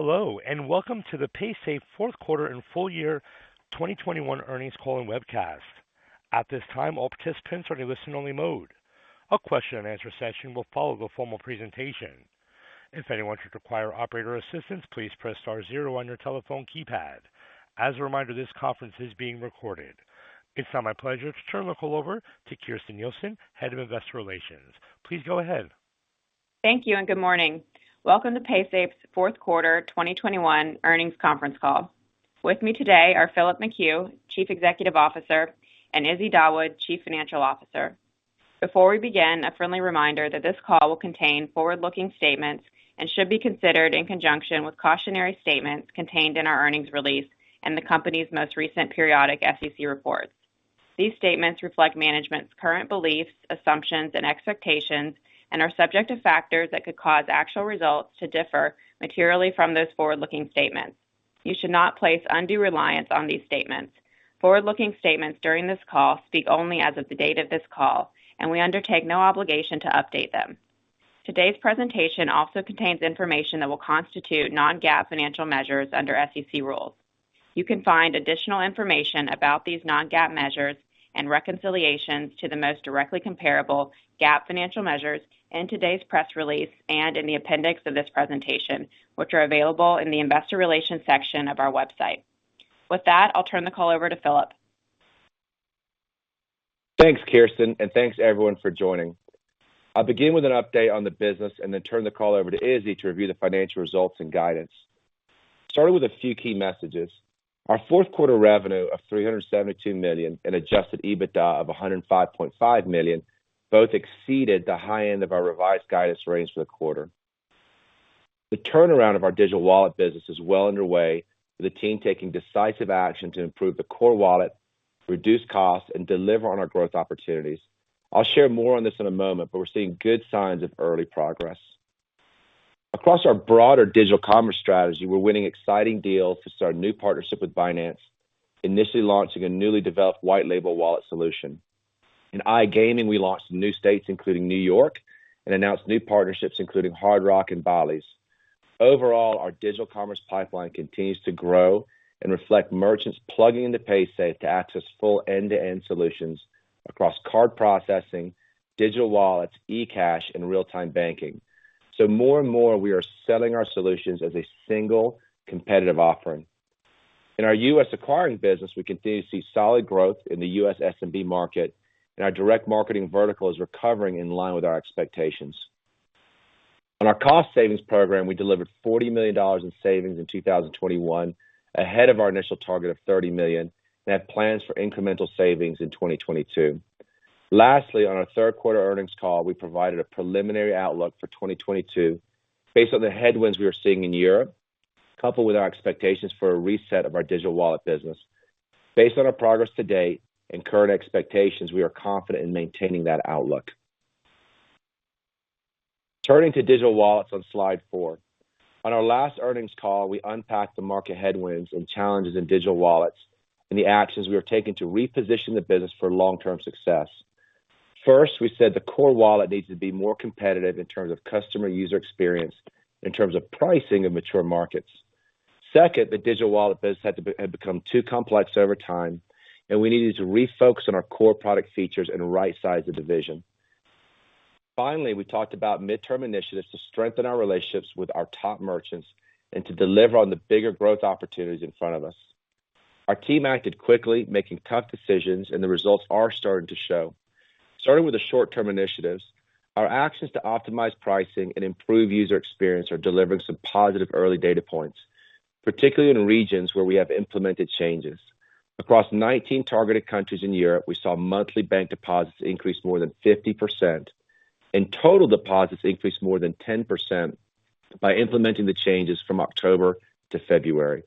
Hello, and welcome to the Paysafe fourth quarter and full year 2021 earnings call and webcast. At this time, all participants are in a listen only mode. A question and answer session will follow the formal presentation. If anyone should require operator assistance, please press star zero on your telephone keypad. As a reminder, this conference is being recorded. It's now my pleasure to turn the call over to Kirsten Nielsen, Head of Investor Relations. Please go ahead. Thank you and good morning. Welcome to Paysafe's fourth quarter 2021 earnings conference call. With me today are Philip McHugh, Chief Executive Officer, and Izzy Dawood, Chief Financial Officer. Before we begin, a friendly reminder that this call will contain forward-looking statements and should be considered in conjunction with cautionary statements contained in our earnings release and the company's most recent periodic SEC reports. These statements reflect management's current beliefs, assumptions, and expectations and are subject to factors that could cause actual results to differ materially from those forward-looking statements. You should not place undue reliance on these statements. Forward-looking statements during this call speak only as of the date of this call, and we undertake no obligation to update them. Today's presentation also contains information that will constitute non-GAAP financial measures under SEC rules. You can find additional information about these non-GAAP measures and reconciliations to the most directly comparable GAAP financial measures in today's press release and in the appendix of this presentation, which are available in the investor relations section of our website. With that, I'll turn the call over to Philip. Thanks, Kirsten, and thanks to everyone for joining. I'll begin with an update on the business and then turn the call over to Izzy to review the financial results and guidance. Starting with a few key messages. Our fourth quarter revenue of $372 million and adjusted EBITDA of $105.5 million both exceeded the high end of our revised guidance range for the quarter. The turnaround of our digital wallet business is well underway, with the team taking decisive action to improve the core wallet, reduce costs, and deliver on our growth opportunities. I'll share more on this in a moment, but we're seeing good signs of early progress. Across our broader digital commerce strategy, we're winning exciting deals to start a new partnership with Binance, initially launching a newly developed white label wallet solution. In iGaming, we launched new states, including New York, and announced new partnerships including Hard Rock and Bally's. Overall, our digital commerce pipeline continues to grow and reflect merchants plugging into Paysafe to access full end-to-end solutions across card processing, digital wallets, eCash, and real-time banking. More and more, we are selling our solutions as a single competitive offering. In our U.S. acquiring business, we continue to see solid growth in the U.S. SMB market, and our direct marketing vertical is recovering in line with our expectations. On our cost savings program, we delivered $40 million in savings in 2021, ahead of our initial target of $30 million, and have plans for incremental savings in 2022. Lastly, on our third quarter earnings call, we provided a preliminary outlook for 2022 based on the headwinds we are seeing in Europe, coupled with our expectations for a reset of our digital wallet business. Based on our progress to date and current expectations, we are confident in maintaining that outlook. Turning to digital wallets on slide four. On our last earnings call, we unpacked the market headwinds and challenges in digital wallets and the actions we are taking to reposition the business for long-term success. First, we said the core wallet needs to be more competitive in terms of customer user experience, in terms of pricing in mature markets. Second, the digital wallet business had become too complex over time, and we needed to refocus on our core product features and rightsize the division. Finally, we talked about midterm initiatives to strengthen our relationships with our top merchants and to deliver on the bigger growth opportunities in front of us. Our team acted quickly, making tough decisions, and the results are starting to show. Starting with the short-term initiatives, our actions to optimize pricing and improve user experience are delivering some positive early data points, particularly in regions where we have implemented changes. Across 19 targeted countries in Europe, we saw monthly bank deposits increase more than 50% and total deposits increase more than 10% by implementing the changes from October to February.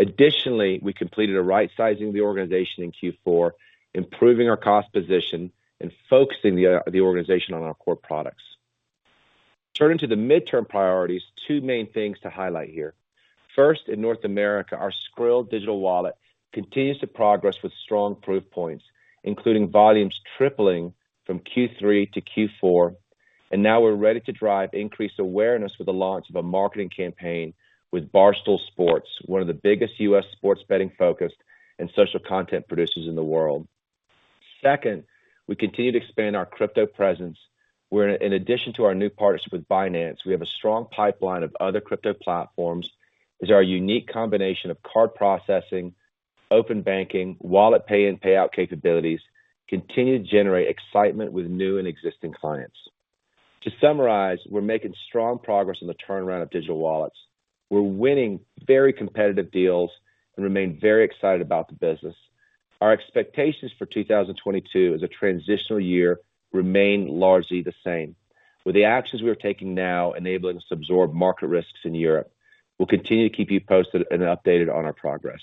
Additionally, we completed a rightsizing of the organization in Q4, improving our cost position and focusing the organization on our core products. Turning to the midterm priorities, two main things to highlight here. First, in North America, our Skrill digital wallet continues to progress with strong proof points, including volumes tripling from Q3 to Q4. Now we're ready to drive increased awareness with the launch of a marketing campaign with Barstool Sports, one of the biggest U.S. sports betting-focused and social content producers in the world. Second, we continue to expand our crypto presence, where in addition to our new partnership with Binance, we have a strong pipeline of other crypto platforms as our unique combination of card processing, open banking, wallet pay and payout capabilities continue to generate excitement with new and existing clients. To summarize, we're making strong progress in the turnaround of digital wallets. We're winning very competitive deals and remain very excited about the business. Our expectations for 2022 as a transitional year remain largely the same, with the actions we are taking now enabling us to absorb market risks in Europe. We'll continue to keep you posted and updated on our progress.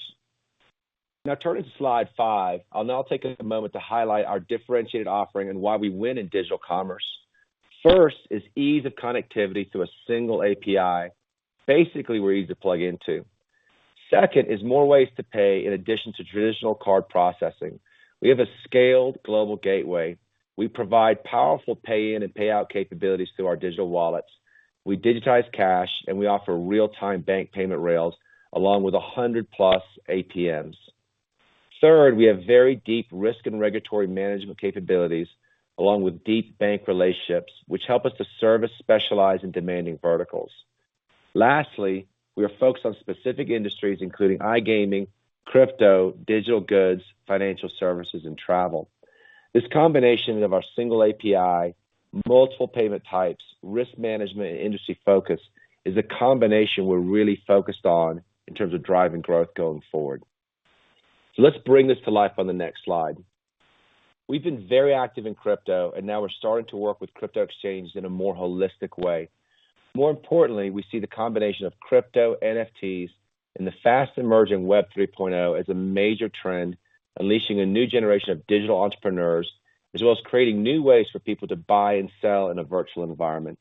Now turning to slide five. I'll now take a moment to highlight our differentiated offering and why we win in digital commerce. First is ease of connectivity through a single API. Basically, we're easy to plug into. Second is more ways to pay in addition to traditional card processing. We have a scaled global gateway. We provide powerful pay-in and payout capabilities through our digital wallets. We digitize cash, and we offer real-time bank payment rails along with 100+ ATMs. Third, we have very deep risk and regulatory management capabilities along with deep bank relationships, which help us to service specialized and demanding verticals. Lastly, we are focused on specific industries, including iGaming, crypto, digital goods, financial services, and travel. This combination of our single API, multiple payment types, risk management, and industry focus is a combination we're really focused on in terms of driving growth going forward. Let's bring this to life on the next slide. We've been very active in crypto, and now we're starting to work with crypto exchanges in a more holistic way. More importantly, we see the combination of crypto NFTs and the fast-emerging Web 3.0 as a major trend, unleashing a new generation of digital entrepreneurs, as well as creating new ways for people to buy and sell in a virtual environment.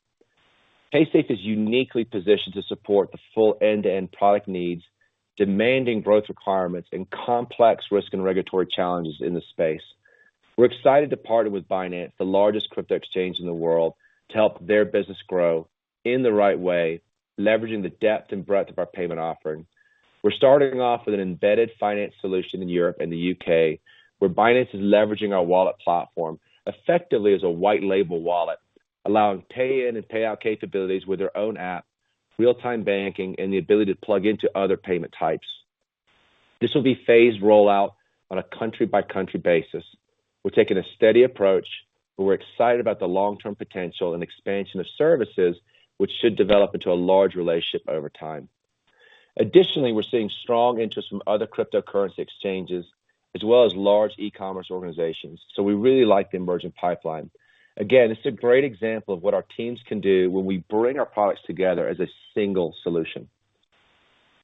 Paysafe is uniquely positioned to support the full end-to-end product needs, demanding growth requirements, and complex risk and regulatory challenges in the space. We're excited to partner with Binance, the largest crypto exchange in the world, to help their business grow in the right way, leveraging the depth and breadth of our payment offering. We're starting off with an embedded finance solution in Europe and the U.K., where Binance is leveraging our wallet platform effectively as a white label wallet, allowing pay in and payout capabilities with their own app, real-time banking, and the ability to plug into other payment types. This will be phased rollout on a country-by-country basis. We're taking a steady approach, but we're excited about the long-term potential and expansion of services which should develop into a large relationship over time. Additionally, we're seeing strong interest from other cryptocurrency exchanges as well as large e-commerce organizations. We really like the emerging pipeline. It's a great example of what our teams can do when we bring our products together as a single solution.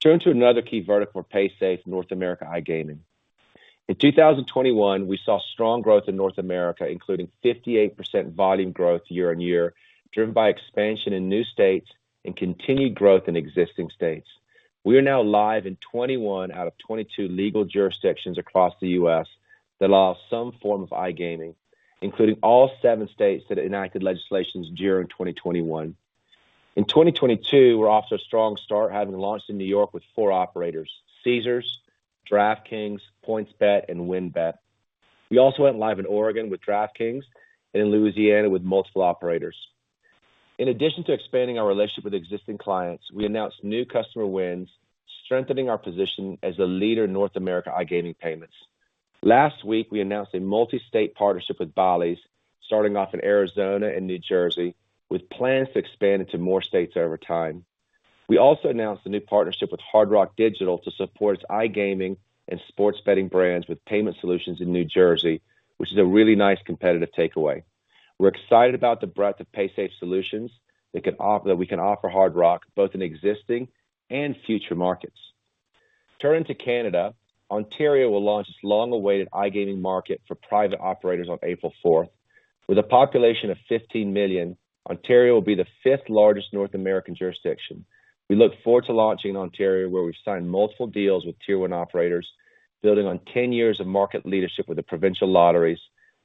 Turning to another key vertical for Paysafe, North America iGaming. In 2021, we saw strong growth in North America, including 58% volume growth year-on-year, driven by expansion in new states and continued growth in existing states. We are now live in 21 out of 22 legal jurisdictions across the U.S. that allow some form of iGaming, including all seven states that enacted legislation during 2021. In 2022, we're off to a strong start, having launched in New York with four operators, Caesars, DraftKings, PointsBet, and WynnBET. We also went live in Oregon with DraftKings and in Louisiana with multiple operators. In addition to expanding our relationship with existing clients, we announced new customer wins, strengthening our position as the leader in North American iGaming payments. Last week, we announced a multi-state partnership with Bally's, starting off in Arizona and New Jersey, with plans to expand into more states over time. We also announced a new partnership with Hard Rock Digital to support its iGaming and sports betting brands with payment solutions in New Jersey, which is a really nice competitive takeaway. We're excited about the breadth of Paysafe solutions that we can offer Hard Rock, both in existing and future markets. Turning to Canada, Ontario will launch its long-awaited iGaming market for private operators on April fourth. With a population of 15 million, Ontario will be the fifth largest North American jurisdiction. We look forward to launching in Ontario, where we've signed multiple deals with tier one operators, building on 1ei years of market leadership with the provincial lotteries,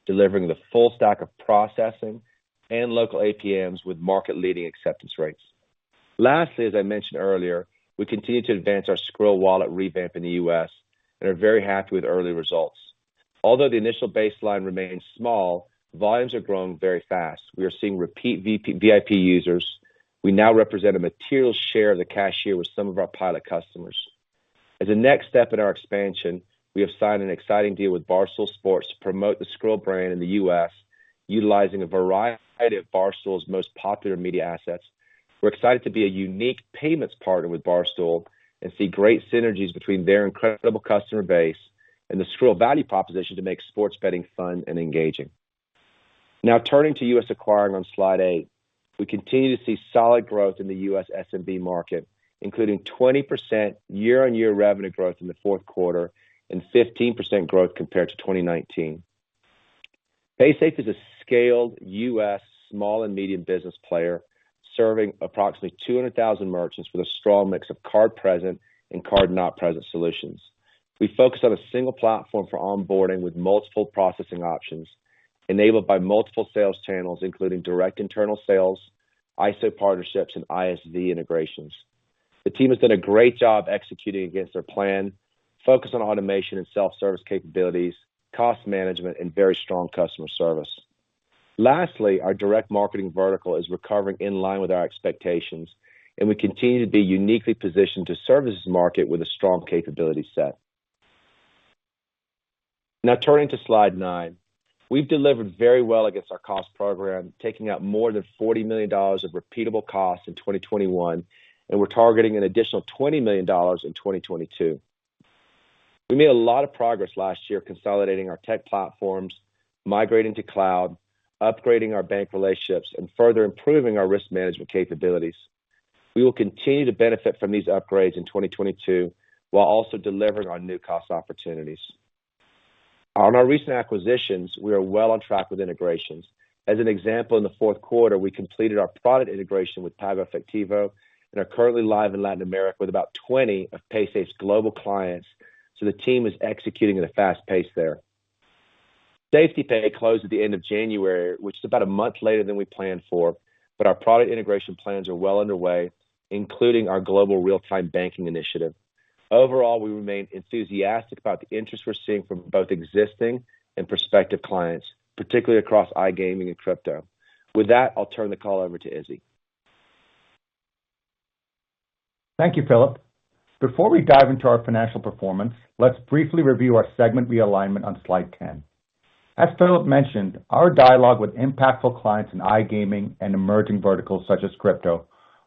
delivering the full stack of processing and local ATMs with market-leading acceptance rates. Lastly, as I mentioned earlier, we continue to advance our Skrill wallet revamp in the U.S. and are very happy with early results. Although the initial baseline remains small, volumes are growing very fast. We are seeing repeat VIP users. We now represent a material share of the cashier with some of our pilot customers. As a next step in our expansion, we have signed an exciting deal with Barstool Sports to promote the Skrill brand in the U.S., utilizing a variety of Barstool's most popular media assets. We're excited to be a unique payments partner with Barstool and see great synergies between their incredible customer base and the Skrill value proposition to make sports betting fun and engaging. Now turning to U.S. acquiring on slide eight. We continue to see solid growth in the U.S. SMB market, including 20% year-on-year revenue growth in the fourth quarter and 15% growth compared to 2019. Paysafe is a scaled U.S. small and medium business player, serving approximately 200,000 merchants with a strong mix of card present and card not present solutions. We focus on a single platform for onboarding with multiple processing options enabled by multiple sales channels, including direct internal sales, ISO partnerships, and ISV integrations. The team has done a great job executing against their plan, focused on automation and self-service capabilities, cost management, and very strong customer service. Lastly, our direct marketing vertical is recovering in line with our expectations, and we continue to be uniquely positioned to serve this market with a strong capability set. Now turning to slide nine. We've delivered very well against our cost program, taking out more than $40 million of repeatable costs in 2021, and we're targeting an additional $20 million in 2022. We made a lot of progress last year consolidating our tech platforms, migrating to cloud, upgrading our bank relationships, and further improving our risk management capabilities. We will continue to benefit from these upgrades in 2022 while also delivering on new cost opportunities. On our recent acquisitions, we are well on track with integrations. As an example, in the fourth quarter, we completed our product integration with PagoEfectivo and are currently live in Latin America with about 20 of Paysafe's global clients, so the team is executing at a fast pace there. SafetyPay closed at the end of January, which is about a month later than we planned for, but our product integration plans are well underway, including our global real-time banking initiative. Overall, we remain enthusiastic about the interest we're seeing from both existing and prospective clients, particularly across iGaming and crypto. With that, I'll turn the call over to Izzy. Thank you, Philip. Before we dive into our financial performance, let's briefly review our segment realignment on slide 10. As Philip mentioned, our dialogue with impactful clients in iGaming and emerging verticals such as crypto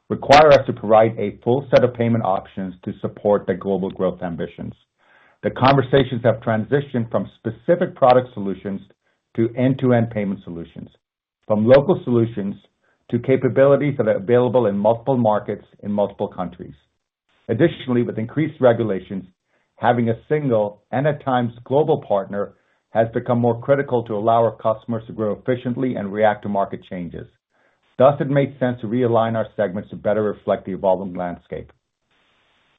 require us to provide a full set of payment options to support their global growth ambitions. The conversations have transitioned from specific product solutions to end-to-end payment solutions, from local solutions to capabilities that are available in multiple markets in multiple countries. Additionally, with increased regulations, having a single and at times global partner has become more critical to allow our customers to grow efficiently and react to market changes. Thus, it makes sense to realign our segments to better reflect the evolving landscape.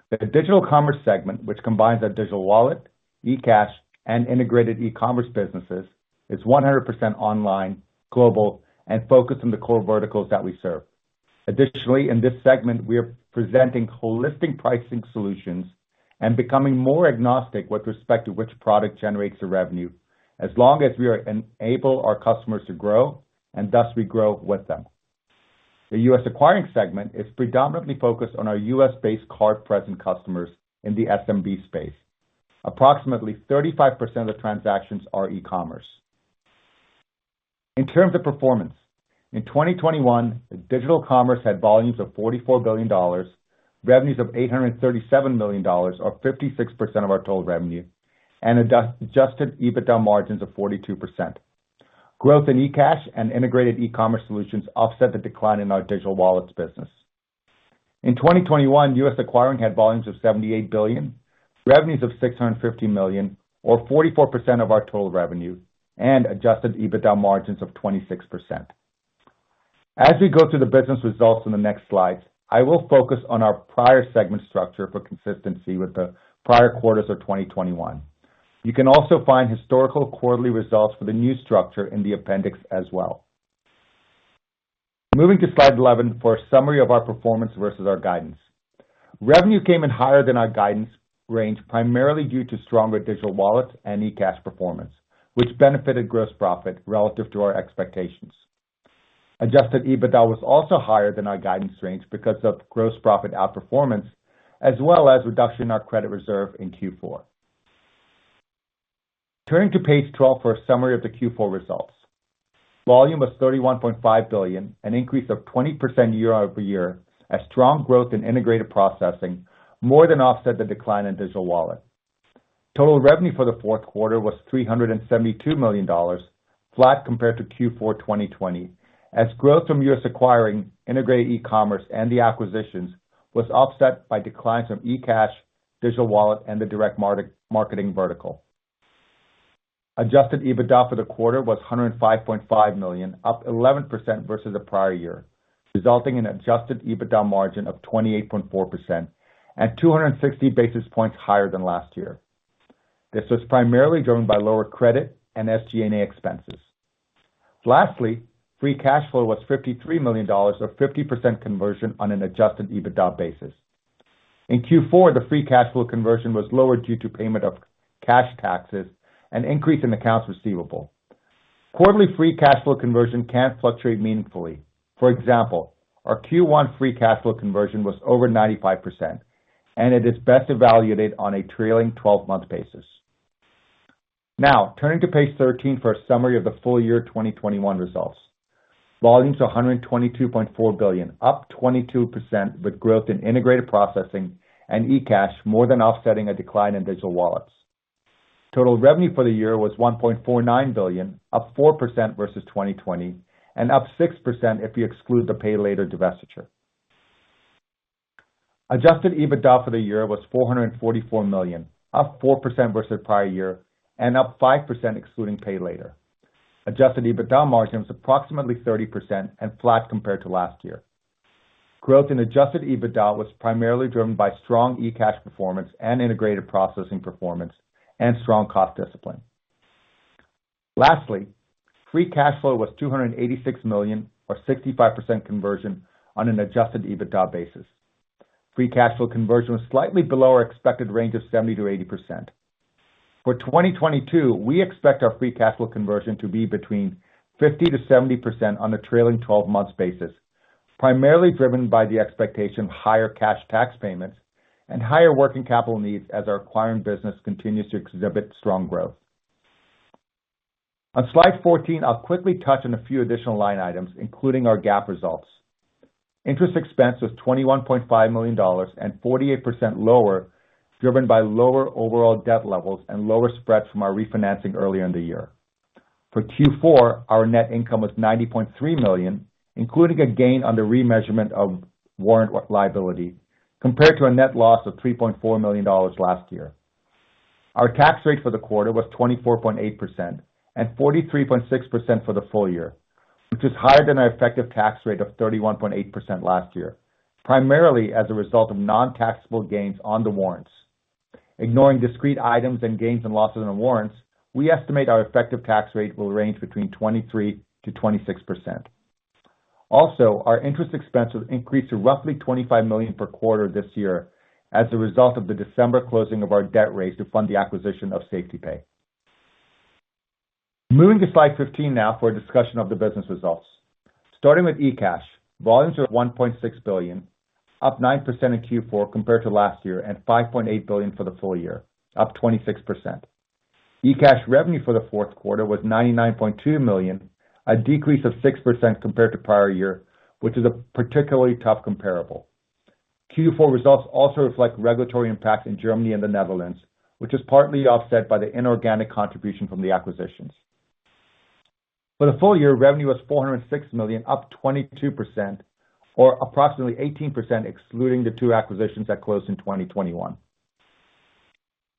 The digital commerce segment, which combines our digital wallet, eCash, and integrated e-commerce businesses, is 100% online, global, and focused on the core verticals that we serve. Additionally, in this segment, we are presenting holistic pricing solutions and becoming more agnostic with respect to which product generates the revenue as long as we are enabling our customers to grow and thus we grow with them. The U.S. acquiring segment is predominantly focused on our U.S.-based card-present customers in the SMB space. Approximately 35% of the transactions are e-commerce. In terms of performance, in 2021, digital commerce had volumes of $44 billion, revenues of $837 million, or 56% of our total revenue, and adjusted EBITDA margins of 42%. Growth in eCash and integrated e-commerce solutions offset the decline in our digital wallets business. In 2021, U.S. acquiring had volumes of $78 billion, revenues of $650 million or 44% of our total revenue, and adjusted EBITDA margins of 26%. As we go through the business results in the next slides, I will focus on our prior segment structure for consistency with the prior quarters of 2021. You can also find historical quarterly results for the new structure in the appendix as well. Moving to slide 11 for a summary of our performance versus our guidance. Revenue came in higher than our guidance range, primarily due to stronger digital wallets and eCash performance, which benefited gross profit relative to our expectations. Adjusted EBITDA was also higher than our guidance range because of gross profit outperformance as well as reduction in our credit reserve in Q4. Turning to page 12 for a summary of the Q4 results. Volume was $31.5 billion, an increase of 20% year-over-year as strong growth in integrated processing more than offset the decline in digital wallet. Total revenue for the fourth quarter was $372 million, flat compared to Q4 2020 as growth from U.S. acquiring, integrated e-commerce and the acquisitions was offset by declines from eCash, digital wallet, and the direct marketing vertical. Adjusted EBITDA for the quarter was $105.5 million, up 11% versus the prior year, resulting in adjusted EBITDA margin of 28.4% and 260 basis points higher than last year. This was primarily driven by lower credit and SG&A expenses. Lastly, free cash flow was $53 million or 50% conversion on an adjusted EBITDA basis. In Q4, the free cash flow conversion was lower due to payment of cash taxes and increase in accounts receivable. Quarterly free cash flow conversion can fluctuate meaningfully. For example, our Q1 free cash flow conversion was over 95%, and it is best evaluated on a trailing 12-month basis. Now, turning to page 13 for a summary of the full year 2021 results. Volumes $122.4 billion, up 22%, with growth in Integrated Processing and eCash more than offsetting a decline in Digital Wallets. Total revenue for the year was $1.49 billion, up 4% versus 2020 and up 6% if you exclude the Pay Later divestiture. Adjusted EBITDA for the year was $444 million, up 4% versus prior year and up 5% excluding Pay Later. Adjusted EBITDA margin was approximately 30% and flat compared to last year. Growth in adjusted EBITDA was primarily driven by strong eCash performance and Integrated Processing performance and strong cost discipline. Lastly, free cash flow was $286 million or 65% conversion on an adjusted EBITDA basis. Free cash flow conversion was slightly below our expected range of 70%-80%. For 2022, we expect our free cash flow conversion to be between 50%-70% on a trailing 12-month basis, primarily driven by the expectation of higher cash tax payments and higher working capital needs as our acquiring business continues to exhibit strong growth. On slide 14, I'll quickly touch on a few additional line items, including our GAAP results. Interest expense was $21.5 million and 48% lower, driven by lower overall debt levels and lower spreads from our refinancing earlier in the year. For Q4, our net income was $90.3 million, including a gain on the remeasurement of warrant liability compared to a net loss of $3.4 million last year. Our tax rate for the quarter was 24.8% and 43.6% for the full year, which is higher than our effective tax rate of 31.8% last year, primarily as a result of non-taxable gains on the warrants. Ignoring discrete items and gains and losses on the warrants, we estimate our effective tax rate will range between 23%-26%. Our interest expenses increased to roughly $25 million per quarter this year as a result of the December closing of our debt raise to fund the acquisition of SafetyPay. Moving to slide 15 now for a discussion of the business results. Starting with eCash. Volumes are $1.6 billion, up 9% in Q4 compared to last year, and $5.8 billion for the full year, up 26%. eCash revenue for the fourth quarter was $99.2 million, a decrease of 6% compared to prior year, which is a particularly tough comparable. Q4 results also reflect regulatory impacts in Germany and the Netherlands, which is partly offset by the inorganic contribution from the acquisitions. For the full year, revenue was $406 million, up 22%, or approximately 18% excluding the two acquisitions that closed in 2021.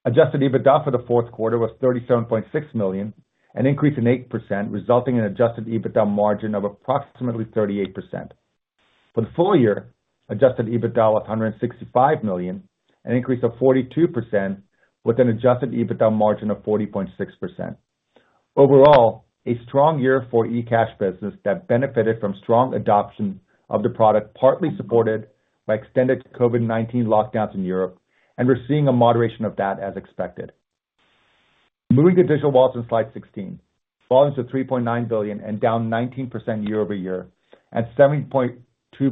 Adjusted EBITDA for the fourth quarter was $37.6 million, an increase of 8% resulting in adjusted EBITDA margin of approximately 38%. For the full year, adjusted EBITDA was $165 million, an increase of 42% with an adjusted EBITDA margin of 40.6%. Overall, a strong year for eCash business that benefited from strong adoption of the product, partly supported by extended COVID-19 lockdowns in Europe, and we're seeing a moderation of that as expected. Moving to Digital Wallets on slide 16. Volumes of $3.9 billion and down 19% year-over-year, and $7.2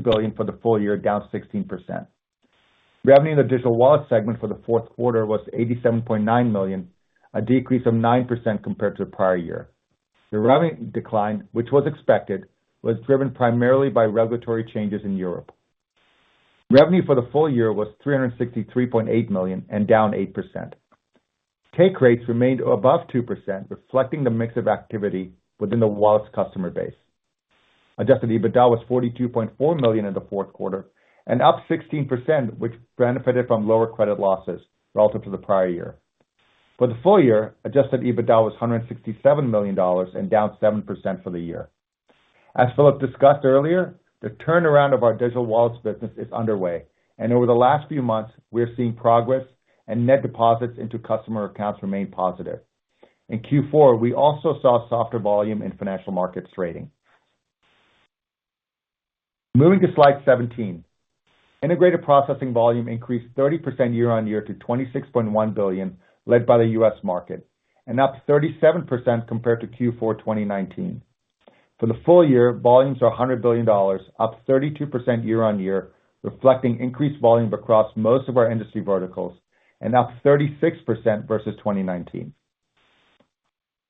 billion for the full year, down 16%. Revenue in the Digital Wallet segment for the fourth quarter was $87.9 million, a decrease of 9% compared to the prior year. The revenue decline, which was expected, was driven primarily by regulatory changes in Europe. Revenue for the full year was $363.8 million and down 8%. Take rates remained above 2%, reflecting the mix of activity within the wallets customer base. Adjusted EBITDA was $42.4 million in the fourth quarter and up 16%, which benefited from lower credit losses relative to the prior year. For the full year, adjusted EBITDA was $167 million and down 7% for the year. As Philip discussed earlier, the turnaround of our Digital Wallets business is underway, and over the last few months, we are seeing progress and net deposits into customer accounts remain positive. In Q4, we also saw softer volume in financial markets trading. Moving to slide 17. Integrated Processing volume increased 30% year-on-year to $26.1 billion, led by the U.S. market, and up 37% compared to Q4 2019. For the full year, volumes are $100 billion, up 32% year-on-year, reflecting increased volume across most of our industry verticals and up 36% versus 2019.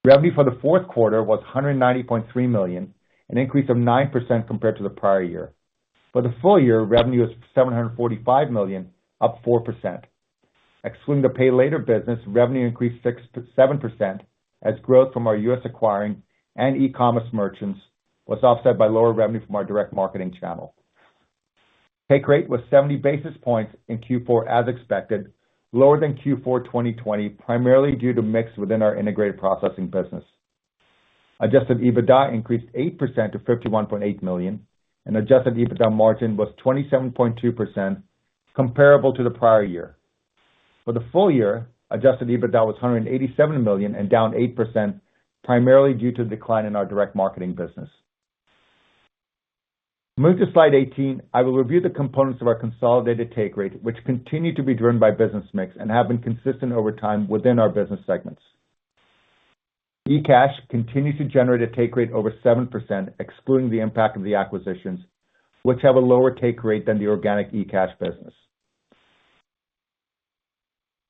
Revenue for the fourth quarter was $190.3 million, an increase of 9% compared to the prior year. For the full year, revenue is $745 million, up 4%. Excluding the Pay Later business, revenue increased 6%-7% as growth from our U.S. acquiring and e-commerce merchants was offset by lower revenue from our direct marketing channel. Take rate was 70 basis points in Q4 as expected, lower than Q4 2020, primarily due to mix within our Integrated Processing business. Adjusted EBITDA increased 8% to $51.8 million, and adjusted EBITDA margin was 27.2% comparable to the prior year. For the full year, adjusted EBITDA was $187 million and down 8% primarily due to decline in our Direct Marketing business. Moving to slide 18. I will review the components of our consolidated take rate, which continue to be driven by business mix and have been consistent over time within our business segments. eCash continues to generate a take rate over 7% excluding the impact of the acquisitions, which have a lower take rate than the organic eCash business.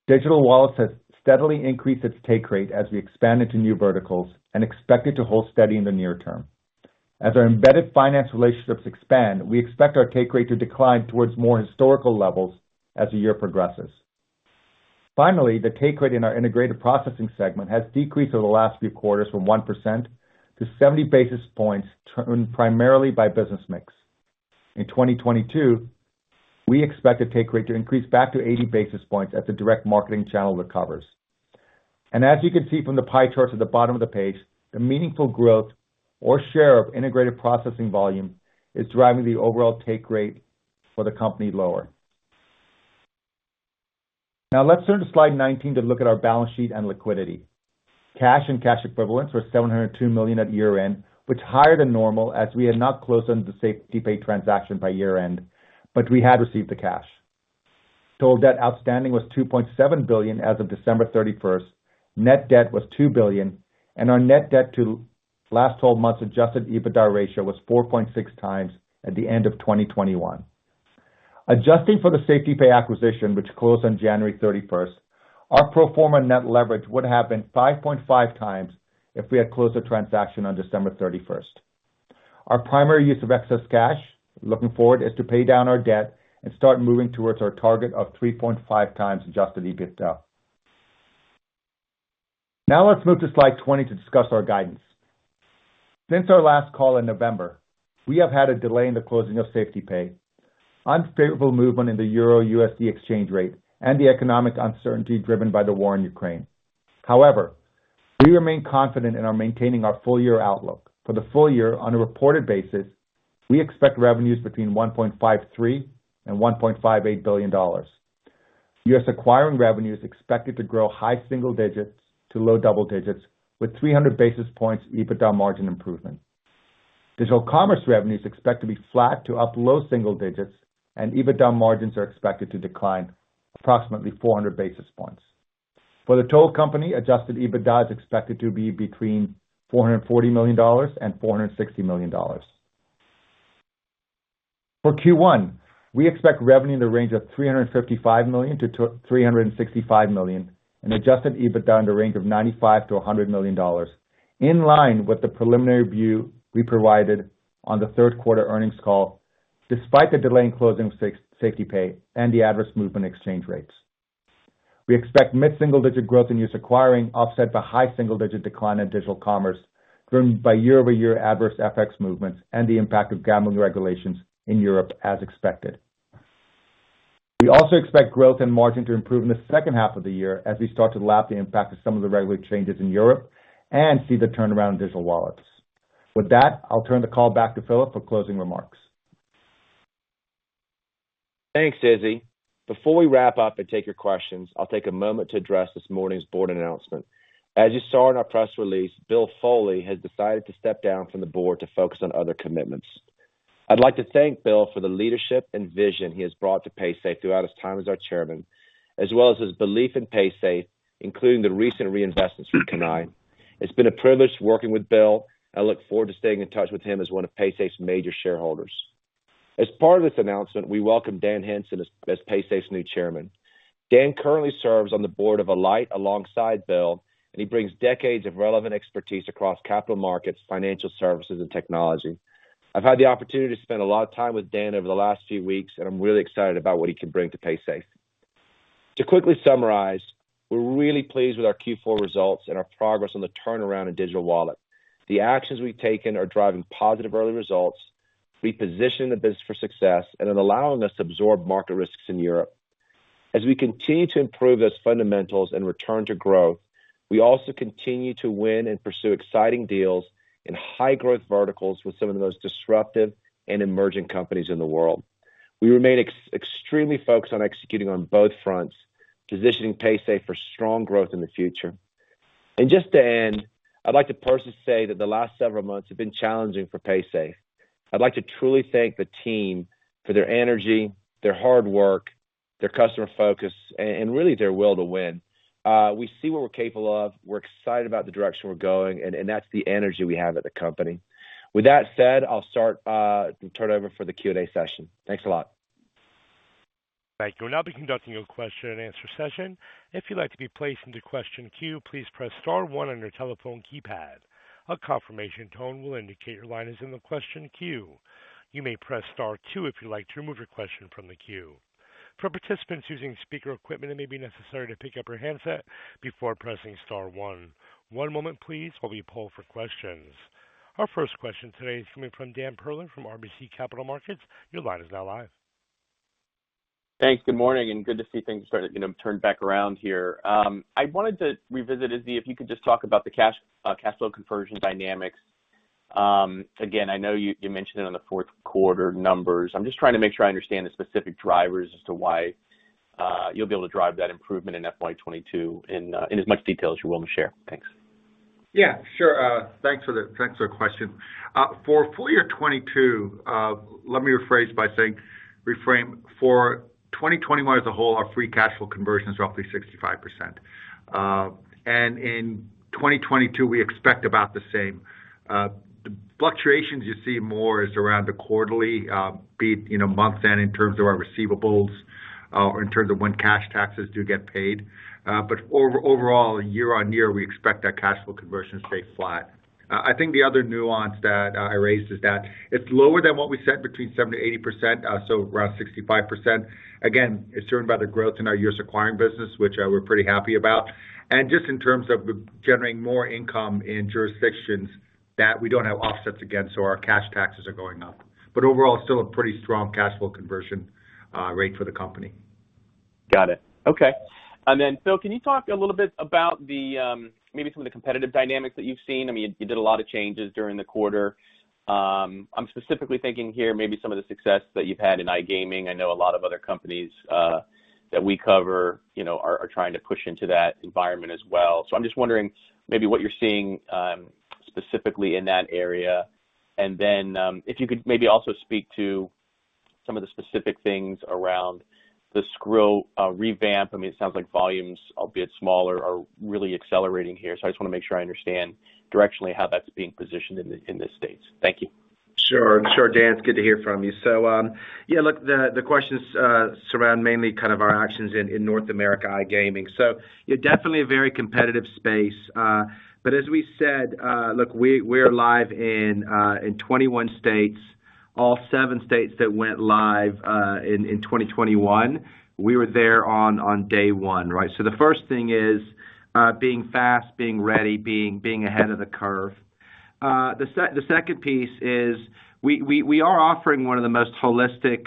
Digital Wallets has steadily increased its take rate as we expand into new verticals and expect it to hold steady in the near term. As our embedded finance relationships expand, we expect our take rate to decline towards more historical levels as the year progresses. Finally, the take rate in our Integrated Processing segment has decreased over the last few quarters from 1% to 70 basis points driven primarily by business mix. In 2022, we expect the take rate to increase back to 80 basis points as the direct marketing channel recovers. As you can see from the pie charts at the bottom of the page, the meaningful growth or share of Integrated Processing volume is driving the overall take rate for the company lower. Now let's turn to slide 19 to look at our balance sheet and liquidity. Cash and cash equivalents were $702 million at year-end, which is higher than normal as we had not closed on the SafetyPay transaction by year-end, but we had received the cash. Total debt outstanding was $2.7 billion as of December 31st. Net debt was $2 billion and our net debt to last 12 months adjusted EBITDA ratio was 4.6x at the end of 2021. Adjusting for the SafetyPay acquisition, which closed on January 31st, our pro forma net leverage would have been 5.5x if we had closed the transaction on December 31st. Our primary use of excess cash looking forward is to pay down our debt and start moving towards our target of 3.5x adjusted EBITDA. Now let's move to slide 20 to discuss our guidance. Since our last call in November, we have had a delay in the closing of SafetyPay, unfavorable movement in the euro-USD exchange rate, and the economic uncertainty driven by the war in Ukraine. However, we remain confident in our maintaining our full year outlook. For the full year on a reported basis, we expect revenues between $1.53 billion and $1.58 billion. U.S. acquiring revenue is expected to grow high single digits to low double digits with 300 basis points EBITDA margin improvement. Digital commerce revenue is expected to be flat to up low single digits and EBITDA margins are expected to decline approximately 400 basis points. For the total company, adjusted EBITDA is expected to be between $440 million and $460 million. For Q1, we expect revenue in the range of $355 million-$365 million and adjusted EBITDA in the range of $95 million-$100 million, in line with the preliminary view we provided on the third quarter earnings call despite the delay in closing SafetyPay and the adverse movements in exchange rates. We expect mid-single-digit growth in U.S. acquiring offset by high single-digit decline in digital commerce driven by year-over-year adverse FX movements and the impact of gambling regulations in Europe as expected. We also expect growth and margin to improve in the second half of the year as we start to lap the impact of some of the regulatory changes in Europe and see the turnaround in Digital Wallets. With that, I'll turn the call back to Philip for closing remarks. Thanks, Izzy. Before we wrap up and take your questions, I'll take a moment to address this morning's board announcement. As you saw in our press release, Bill Foley has decided to step down from the board to focus on other commitments. I'd like to thank Bill for the leadership and vision he has brought to Paysafe throughout his time as our chairman, as well as his belief in Paysafe, including the recent reinvestments from Cannae. It's been a privilege working with Bill. I look forward to staying in touch with him as one of Paysafe's major shareholders. As part of this announcement, we welcome Dan Henson as Paysafe's new chairman. Dan currently serves on the board of Alight alongside Bill, and he brings decades of relevant expertise across capital markets, financial services, and technology. I've had the opportunity to spend a lot of time with Dan over the last few weeks, and I'm really excited about what he can bring to Paysafe. To quickly summarize, we're really pleased with our Q4 results and our progress on the turnaround in digital wallet. The actions we've taken are driving positive early results. We position the business for success and it allowing us to absorb market risks in Europe. As we continue to improve those fundamentals and return to growth, we also continue to win and pursue exciting deals in high-growth verticals with some of the most disruptive and emerging companies in the world. We remain extremely focused on executing on both fronts, positioning Paysafe for strong growth in the future. Just to end, I'd like to personally say that the last several months have been challenging for Paysafe. I'd like to truly thank the team for their energy, their hard work, their customer focus, and really their will to win. We see what we're capable of. We're excited about the direction we're going, and that's the energy we have at the company. With that said, I'll turn it over for the Q&A session. Thanks a lot. Thank you. We'll now be conducting your question and answer session. If you'd like to be placed into question queue, please press star one on your telephone keypad. A confirmation tone will indicate your line is in the question queue. You may press star two if you'd like to remove your question from the queue. For participants using speaker equipment, it may be necessary to pick up your handset before pressing star one. One moment please while we poll for questions. Our first question today is coming from Dan Perlin from RBC Capital Markets. Your line is now live. Thanks. Good morning, and good to see things starting to, you know, turn back around here. I wanted to revisit, Izzy, if you could just talk about the cash flow conversion dynamics. Again, I know you mentioned it on the fourth quarter numbers. I'm just trying to make sure I understand the specific drivers as to why you'll be able to drive that improvement in FY 2022 in as much detail as you're willing to share. Thanks. Yeah, sure. Thanks for the question. For full year 2022, let me rephrase by saying reframe. For 2021 as a whole, our free cash flow conversion is roughly 65%. In 2022, we expect about the same. The fluctuations you see more are around the quarterly, be it, you know, month-end in terms of our receivables, or in terms of when cash taxes do get paid. Overall, year-on-year, we expect that cash flow conversion to stay flat. I think the other nuance that I raised is that it's lower than what we set between 70%-80%, so we're at 65%. Again, it's driven by the growth in our U.S. acquiring business, which we're pretty happy about. Just in terms of generating more income in jurisdictions that we don't have offsets against, so our cash taxes are going up. Overall, still a pretty strong cash flow conversion rate for the company. Got it. Okay. Phil, can you talk a little bit about the, maybe some of the competitive dynamics that you've seen? I mean, you did a lot of changes during the quarter. I'm specifically thinking here maybe some of the success that you've had in iGaming. I know a lot of other companies, that we cover, you know, are trying to push into that environment as well. I'm just wondering maybe what you're seeing, specifically in that area. If you could maybe also speak to some of the specific things around the Skrill, revamp. I mean, it sounds like volumes, albeit smaller, are really accelerating here. I just wanna make sure I understand directionally how that's being positioned in the States. Thank you. Sure, Dan. It's good to hear from you. Yeah, look, the questions surround mainly kind of our actions in North America iGaming. Yeah, definitely a very competitive space. But as we said, look, we're live in 21 states. All seven states that went live in 2021, we were there on day one, right? The first thing is being fast, being ready, being ahead of the curve. The second piece is we are offering one of the most holistic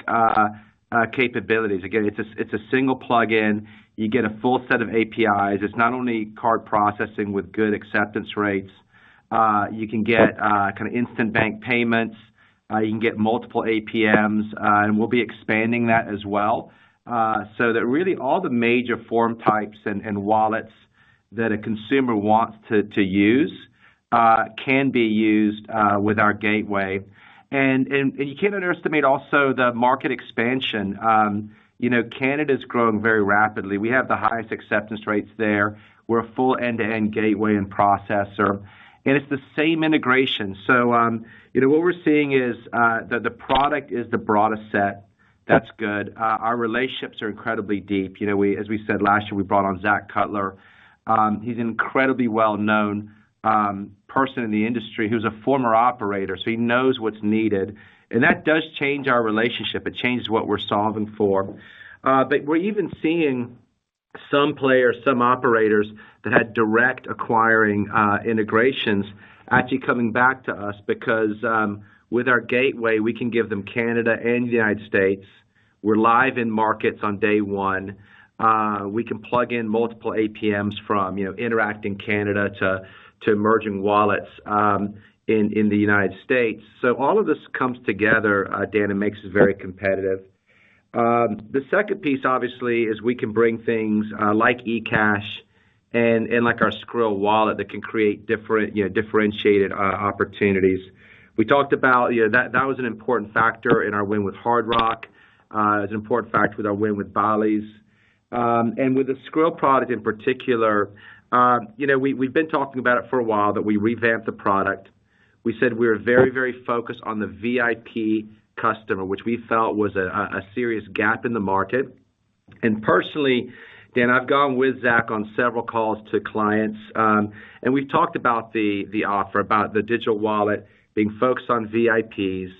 capabilities. Again, it's a single plugin. You get a full set of APIs. It's not only card processing with good acceptance rates. You can get kind of instant bank payments. You can get multiple APMs, and we'll be expanding that as well. That really all the major form types and wallets that a consumer wants to use can be used with our gateway. You can't underestimate also the market expansion. You know, Canada's growing very rapidly. We have the highest acceptance rates there. We're a full end-to-end gateway and processor, and it's the same integration. You know, what we're seeing is that the product is the broadest set. That's good. Our relationships are incredibly deep. You know, as we said last year, we brought on Zach Cutler. He's an incredibly well-known person in the industry who's a former operator, so he knows what's needed. That does change our relationship. It changes what we're solving for. We're even seeing some players, some operators that had direct acquiring integrations actually coming back to us because with our gateway, we can give them Canada and the United States. We're live in markets on day one. We can plug in multiple APMs from, you know, Interac Canada to emerging wallets in the United States. All of this comes together, Dan, and makes us very competitive. The second piece obviously is we can bring things like eCash and like our Skrill wallet that can create different, you know, differentiated opportunities. We talked about, you know, that was an important factor in our win with Hard Rock, it was an important factor with our win with Bally's. With the Skrill product in particular, you know, we've been talking about it for a while, that we revamped the product. We said we are very focused on the VIP customer, which we felt was a serious gap in the market. Personally, Dan, I've gone with Zach on several calls to clients, and we've talked about the offer, about the digital wallet being focused on VIPs,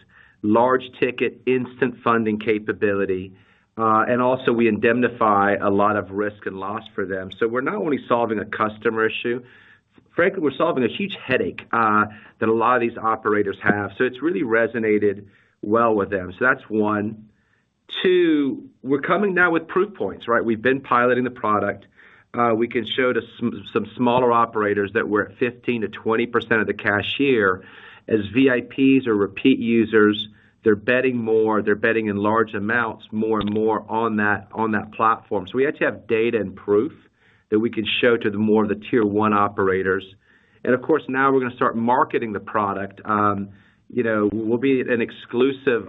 large ticket, instant funding capability, and also we indemnify a lot of risk and loss for them. We're not only solving a customer issue. Frankly, we're solving a huge headache that a lot of these operators have. It's really resonated well with them. That's one. Two, we're coming now with proof points, right? We've been piloting the product. We can show to some smaller operators that we're at 15%-20% of the cashier as VIPs or repeat users. They're betting more, they're betting in large amounts, more and more on that platform. We actually have data and proof that we can show to the more of the tier one operators. Of course, now we're gonna start marketing the product. You know, we'll be an exclusive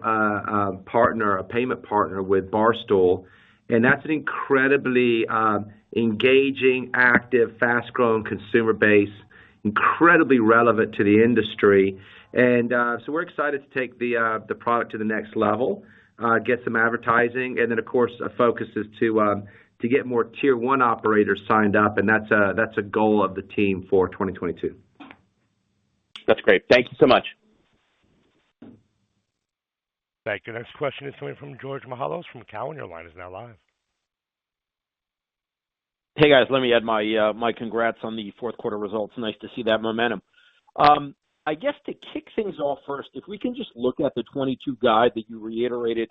partner, a payment partner with Barstool, and that's an incredibly engaging, active, fast-growing consumer base, incredibly relevant to the industry. We're excited to take the product to the next level, get some advertising, and then of course, our focus is to get more Tier 1 operators signed up, and that's a goal of the team for 2022. That's great. Thank you so much. Thank you. Next question is coming from Georgios Mihalos from Cowen. Your line is now live. Hey, guys, let me add my congrats on the fourth quarter results. Nice to see that momentum. I guess to kick things off first, if we can just look at the 2022 guide that you reiterated.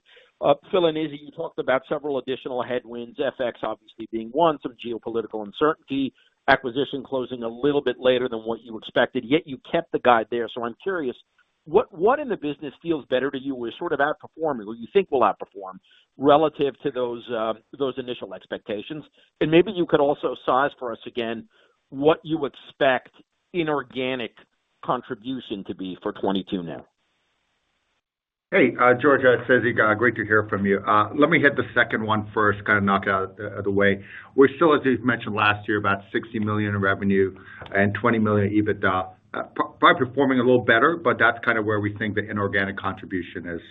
Phil and Izzy, you talked about several additional headwinds, FX obviously being one, some geopolitical uncertainty, acquisition closing a little bit later than what you expected, yet you kept the guide there. I'm curious, what in the business feels better to you or is sort of outperforming or you think will outperform relative to those initial expectations? And maybe you could also size for us again what you expect inorganic contribution to be for 2022 now. Hey, George, it's Izzy. Great to hear from you. Let me hit the second one first, kind of knock it out the way. We're still, as we've mentioned last year, about $60 million in revenue and $20 million EBITDA, probably performing a little better, but that's kind of where we think the inorganic contribution is.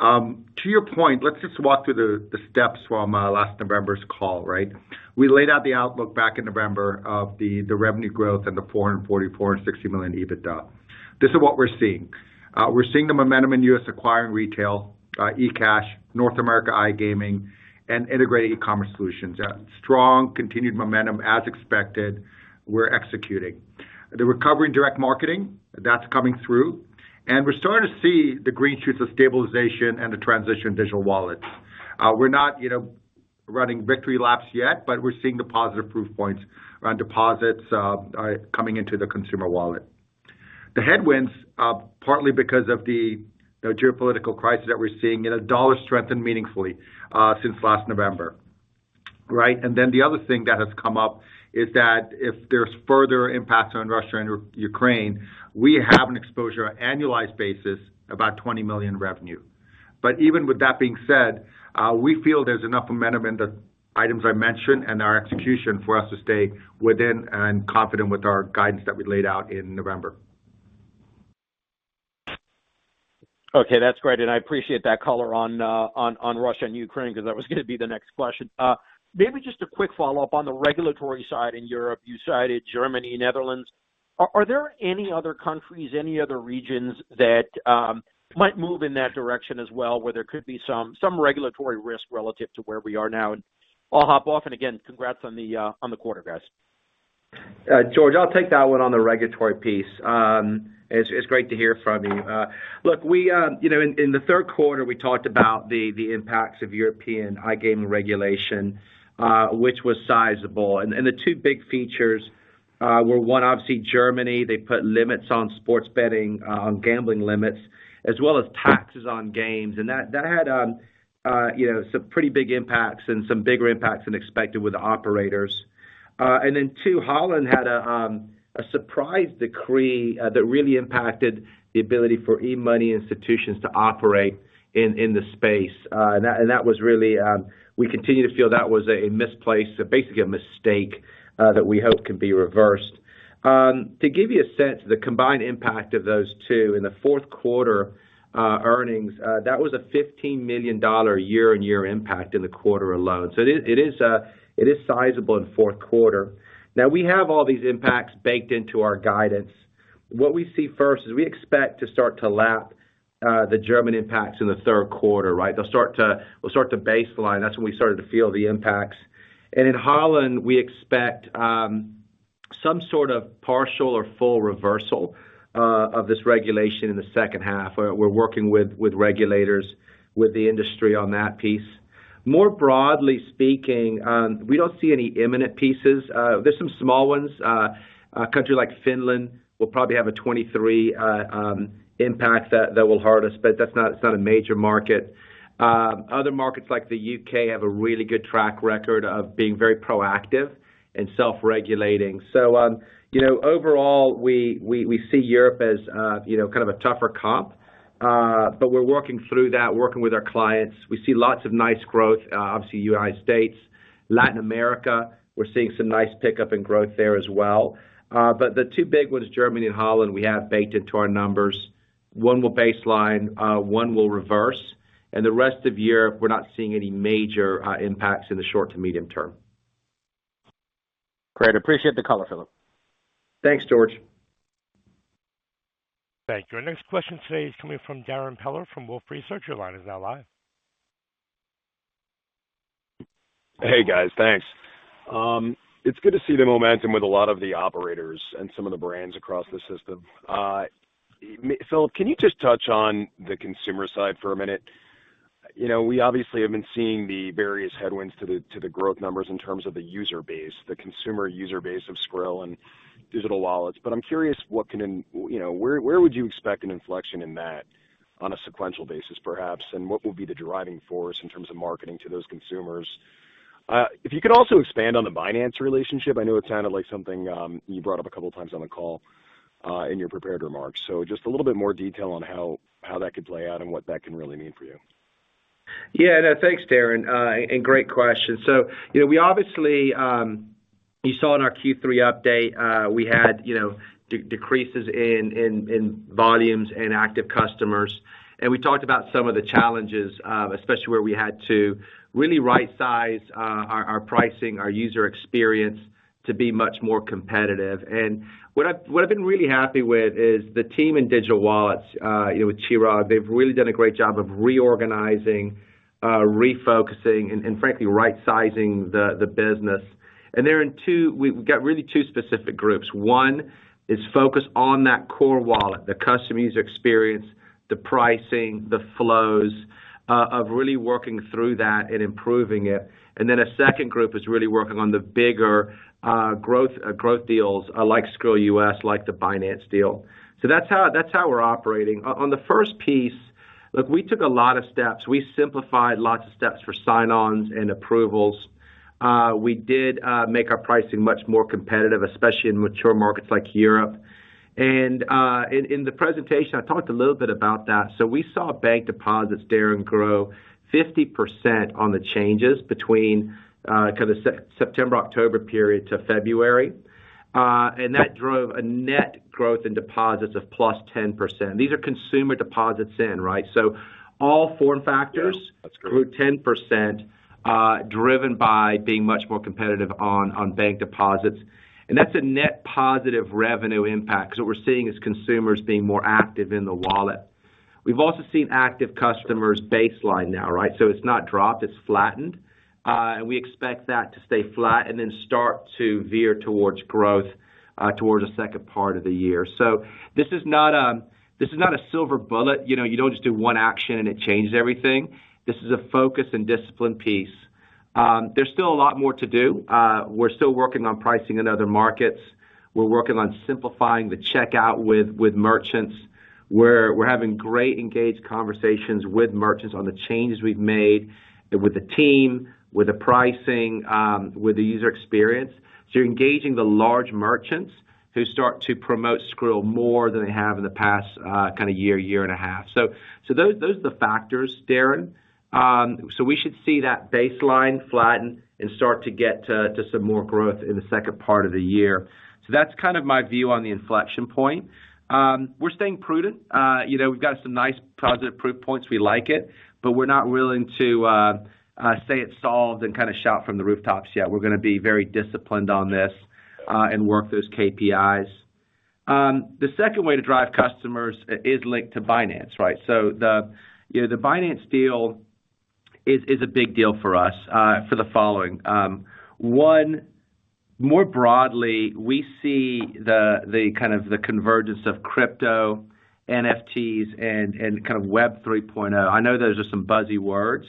To your point, let's just walk through the steps from last November's call, right? We laid out the outlook back in November of the revenue growth and the $444 million and $60 million EBITDA. This is what we're seeing. We're seeing the momentum in U.S. acquiring retail, eCash, North America iGaming, and integrated e-commerce solutions. Strong continued momentum as expected. We're executing. The recovery in direct marketing, that's coming through, and we're starting to see the green shoots of stabilization and the transition in digital wallets. We're not, you know, running victory laps yet, but we're seeing the positive proof points around deposits coming into the consumer wallet. The headwinds, partly because of the, you know, geopolitical crisis that we're seeing, you know, dollar strengthened meaningfully since last November, right? And then the other thing that has come up is that if there's further impacts on Russia and Ukraine, we have an exposure annualized basis about $20 million revenue. But even with that being said, we feel there's enough momentum in the items I mentioned and our execution for us to stay within and confident with our guidance that we laid out in November. Okay, that's great, and I appreciate that color on Russia and Ukraine 'cause that was gonna be the next question. Maybe just a quick follow-up on the regulatory side in Europe. You cited Germany, Netherlands. Are there any other countries, any other regions that might move in that direction as well, where there could be some regulatory risk relative to where we are now? I'll hop off. Again, congrats on the quarter, guys. Georgios, I'll take that one on the regulatory piece. It's great to hear from you. Look, you know, in the third quarter, we talked about the impacts of European iGaming regulation, which was sizable. The two big features were, one, obviously Germany, they put limits on sports betting, gambling limits, as well as taxes on games. That had you know, some pretty big impacts and some bigger impacts than expected with the operators. Then two, Holland had a surprise decree that really impacted the ability for e-money institutions to operate in the space. That was really, we continue to feel that was a misplaced, basically a mistake that we hope can be reversed. To give you a sense, the combined impact of those two in the fourth quarter earnings that was a $15 million year-on-year impact in the quarter alone. It is sizable in fourth quarter. Now, we have all these impacts baked into our guidance. What we see first is we expect to start to lap the German impacts in the third quarter, right? We'll start to baseline. That's when we started to feel the impacts. In Holland, we expect some sort of partial or full reversal of this regulation in the second half. We're working with regulators, with the industry on that piece. More broadly speaking, we don't see any imminent pieces. There's some small ones. A country like Finland will probably have a 2023 impact that will hurt us, but that's not a major market. Other markets like the U.K. have a really good track record of being very proactive and self-regulating. You know, overall, we see Europe as you know, kind of a tougher comp, but we're working through that, working with our clients. We see lots of nice growth, obviously United States, Latin America, we're seeing some nice pickup in growth there as well. The two big ones, Germany and Holland, we have baked into our numbers. One will baseline, one will reverse. The rest of year, we're not seeing any major impacts in the short to medium term. Great. Appreciate the color, Philip. Thanks, Georgios. Thank you. Our next question today is coming from Darrin Peller from Wolfe Research. Your line is now live. Hey, guys. Thanks. It's good to see the momentum with a lot of the operators and some of the brands across the system. Phil, can you just touch on the consumer side for a minute? You know, we obviously have been seeing the various headwinds to the growth numbers in terms of the user base, the consumer user base of Skrill and digital wallets. I'm curious what can you know, where would you expect an inflection in that on a sequential basis, perhaps? And what will be the driving force in terms of marketing to those consumers? If you could also expand on the Binance relationship. I know it sounded like something you brought up a couple times on the call in your prepared remarks. Just a little bit more detail on how that could play out and what that can really mean for you. Yeah. No. Thanks, Darrin. Great question. You know, we obviously you saw in our Q3 update, we had, you know, decreases in volumes and active customers. We talked about some of the challenges, especially where we had to really right-size our pricing, our user experience to be much more competitive. What I've been really happy with is the team in digital wallets, you know, with Chirag, they've really done a great job of reorganizing, refocusing and frankly right-sizing the business. We've got really two specific groups. One is focused on that core wallet, the customer user experience, the pricing, the flows of really working through that and improving it. Then a second group is really working on the bigger growth deals like Skrill U.S., like the Binance deal. That's how we're operating. On the first piece, look, we took a lot of steps. We simplified lots of steps for sign-ons and approvals. We did make our pricing much more competitive, especially in mature markets like Europe. In the presentation, I talked a little bit about that. We saw bank deposits, Darrin, grow 50% on the changes between kind of September-October period to February. That drove a net growth in deposits of +10%. These are consumer deposits in, right? So all form factors- Yeah. That's great grew 10%, driven by being much more competitive on bank deposits. That's a net positive revenue impact. What we're seeing is consumers being more active in the wallet. We've also seen active customers baseline now, right? It's not dropped, it's flattened. We expect that to stay flat and then start to veer towards growth, towards the second part of the year. This is not a silver bullet. You know, you don't just do one action and it changes everything. This is a focus and discipline piece. There's still a lot more to do. We're still working on pricing in other markets. We're working on simplifying the checkout with merchants. We're having great engaged conversations with merchants on the changes we've made with the team, with the pricing, with the user experience. You're engaging the large merchants who start to promote Skrill more than they have in the past, kind of a year and a half. Those are the factors, Darrin. We should see that baseline flatten and start to get to some more growth in the second part of the year. That's kind of my view on the inflection point. We're staying prudent. You know, we've got some nice positive proof points. We like it, but we're not willing to say it's solved and kind of shout from the rooftops yet. We're gonna be very disciplined on this, and work those KPIs. The second way to drive customers is linked to Binance, right? You know the Binance deal is a big deal for us for the following. One, more broadly, we see the kind of convergence of crypto, NFTs and kind of Web 3.0. I know those are some buzzy words,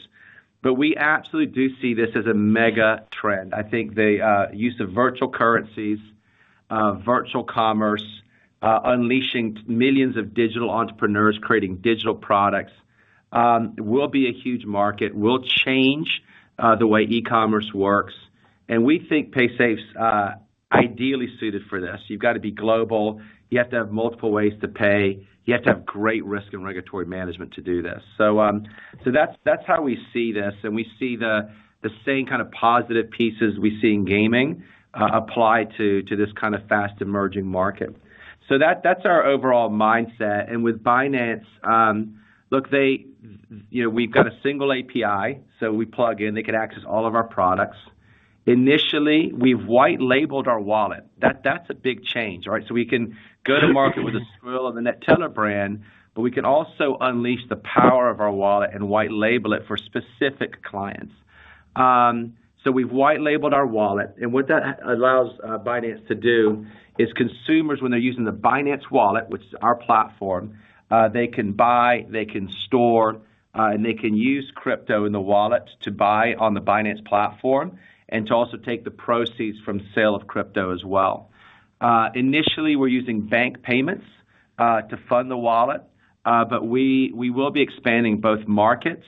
but we absolutely do see this as a mega trend. I think the use of virtual currencies, virtual commerce, unleashing millions of digital entrepreneurs creating digital products will be a huge market, will change the way e-commerce works. We think Paysafe's ideally suited for this. You've got to be global. You have to have multiple ways to pay. You have to have great risk and regulatory management to do this. That's how we see this. We see the same kind of positive pieces we see in gaming apply to this kind of fast-emerging market. That's our overall mindset. With Binance, look, you know, we've got a single API. We plug in, they can access all of our products. Initially, we've white-labeled our wallet. That's a big change, right? We can go to market with the Skrill or the Neteller brand, but we can also unleash the power of our wallet and white-label it for specific clients. We've white-labeled our wallet. What that allows Binance to do is consumers, when they're using the Binance wallet, which is our platform, they can buy, they can store, and they can use crypto in the wallet to buy on the Binance platform and to also take the proceeds from sale of crypto as well. Initially, we're using bank payments to fund the wallet. But we will be expanding both markets,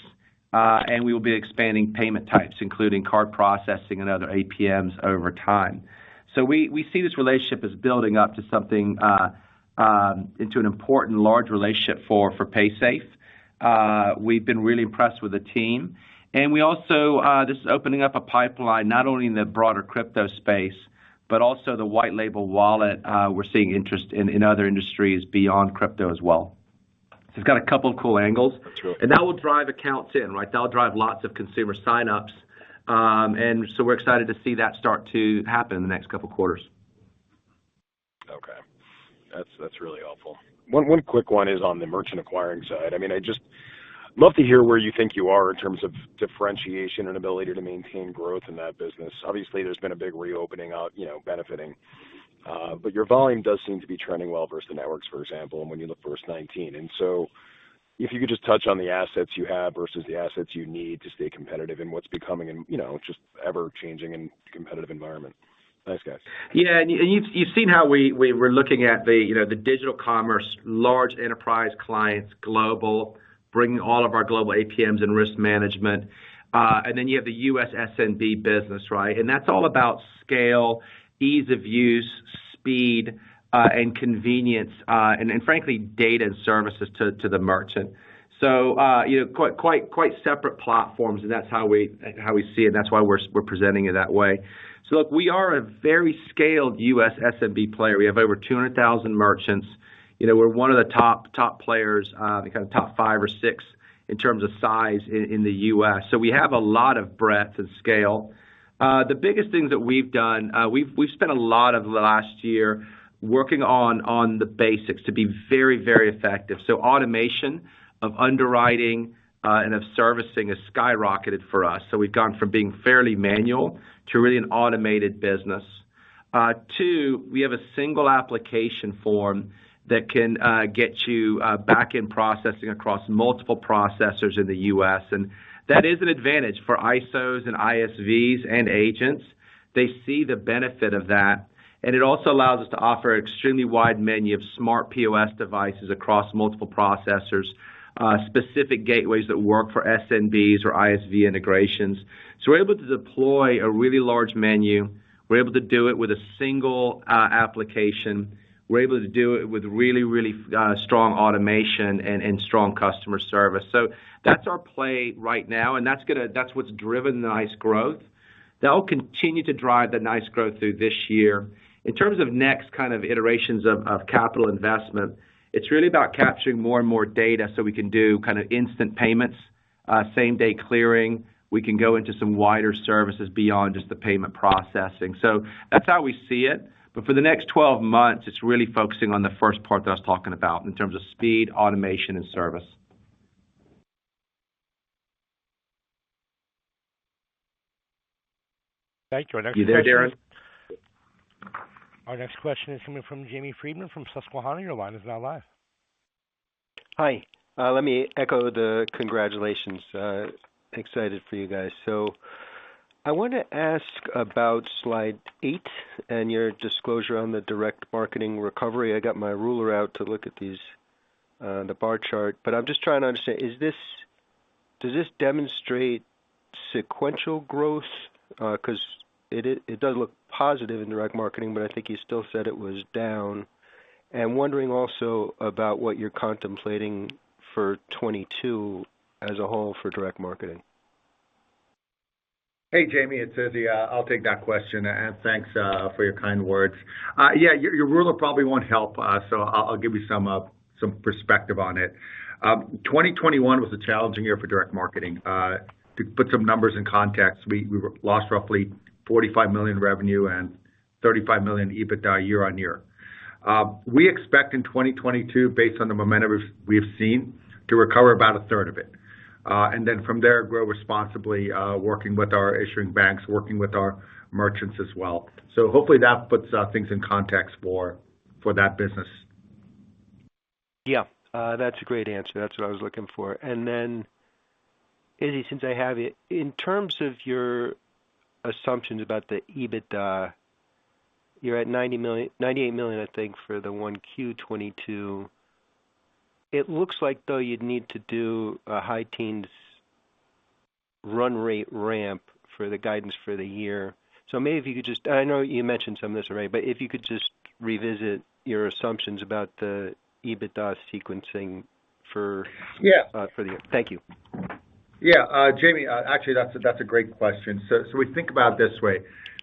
and we will be expanding payment types, including card processing and other APMs over time. We see this relationship as building up to something into an important large relationship for Paysafe. We've been really impressed with the team. This is opening up a pipeline not only in the broader crypto space, but also the white label wallet. We're seeing interest in other industries beyond crypto as well. It's got a couple of cool angles. That's really cool. That will drive accounts in, right? That'll drive lots of consumer sign-ups. We're excited to see that start to happen in the next couple of quarters. Okay. That's really helpful. One quick one is on the merchant acquiring side. I mean, I'd just love to hear where you think you are in terms of differentiation and ability to maintain growth in that business. Obviously, there's been a big reopening out, you know, benefiting. But your volume does seem to be trending well versus the networks, for example, and when you look versus 2019. If you could just touch on the assets you have versus the assets you need to stay competitive in what's becoming an, you know, just ever-changing and competitive environment. Thanks, guys. Yeah. You've seen how we were looking at the, you know, the digital commerce, large enterprise clients, global, bringing all of our global APMs and risk management. You have the U.S. SMB business, right? That's all about scale, ease of use, speed, and convenience, and frankly, data and services to the merchant. You know, quite separate platforms, and that's how we see it, and that's why we're presenting it that way. Look, we are a very scaled U.S. SMB player. We have over 200,000 merchants. You know, we're one of the top players, the kind of top five or six in terms of size in the U.S. We have a lot of breadth and scale. The biggest things that we've done, we've spent a lot of the last year working on the basics to be very effective. Automation of underwriting and of servicing has skyrocketed for us. We've gone from being fairly manual to really an automated business. Two, we have a single application form that can get your backend processing across multiple processors in the U.S. That is an advantage for ISOs and ISVs and agents. They see the benefit of that. It also allows us to offer extremely wide menu of smart POS devices across multiple processors, specific gateways that work for SMBs or ISV integrations. We're able to deploy a really large menu. We're able to do it with a single application. We're able to do it with really strong automation and strong customer service. That's our play right now, and that's what's driven the nice growth. That will continue to drive the nice growth through this year. In terms of next kind of iterations of capital investment, it's really about capturing more and more data so we can do kind of instant payments, same-day clearing. We can go into some wider services beyond just the payment processing. That's how we see it. For the next twelve months, it's really focusing on the first part that I was talking about in terms of speed, automation, and service. Thank you. Our next question. You there, Darrin? Our next question is coming from Jamie Friedman from Susquehanna. Your line is now live. Hi. Let me echo the congratulations. Excited for you guys. I want to ask about slide 8 and your disclosure on the direct marketing recovery. I got my ruler out to look at these, the bar chart, but I'm just trying to understand, does this demonstrate sequential growth? 'Cause it does look positive in direct marketing, but I think you still said it was down. Wondering also about what you're contemplating for 2022 as a whole for direct marketing. Hey, Jamie, it's Izzy. I'll take that question. Thanks for your kind words. Yeah, your ruler probably won't help. I'll give you some perspective on it. 2021 was a challenging year for direct marketing. To put some numbers in context, we lost roughly $45 million revenue and $35 million EBITDA year-over-year. We expect in 2022, based on the momentum we've seen to recover about 1/3 of it. Then from there grow responsibly, working with our issuing banks, working with our merchants as well. Hopefully that puts things in context for that business. Yeah, that's a great answer. That's what I was looking for. Then Izzy, since I have you. In terms of your assumptions about the EBITDA, you're at $98 million, I think for 1Q 2022. It looks like though you'd need to do a high teens run rate ramp for the guidance for the year. Maybe if you could just. I know you mentioned some of this already, but if you could just revisit your assumptions about the EBITDA sequencing for. Yeah. for the year. Thank you. Jamie, actually that's a great question. We think about it this way.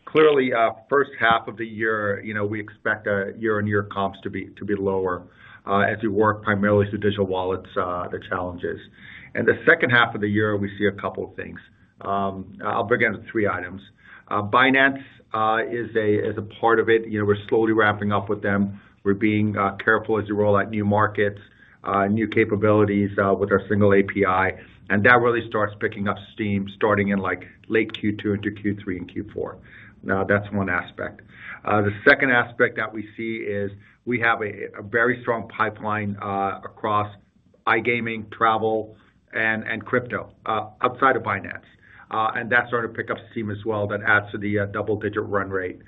Clearly, first half of the year, you know, we expect year-on-year comps to be lower as we work primarily through digital wallets, the challenges. In the second half of the year, we see a couple of things. I'll begin with three items. Binance is a part of it. You know, we're slowly wrapping up with them. We're being careful as we roll out new markets, new capabilities, with our single API. That really starts picking up steam starting in like late Q2 into Q3 and Q4. Now that's one aspect. The second aspect that we see is we have a very strong pipeline across iGaming, travel and crypto outside of Binance. That started to pick up steam as well. That adds to the double-digit run rate.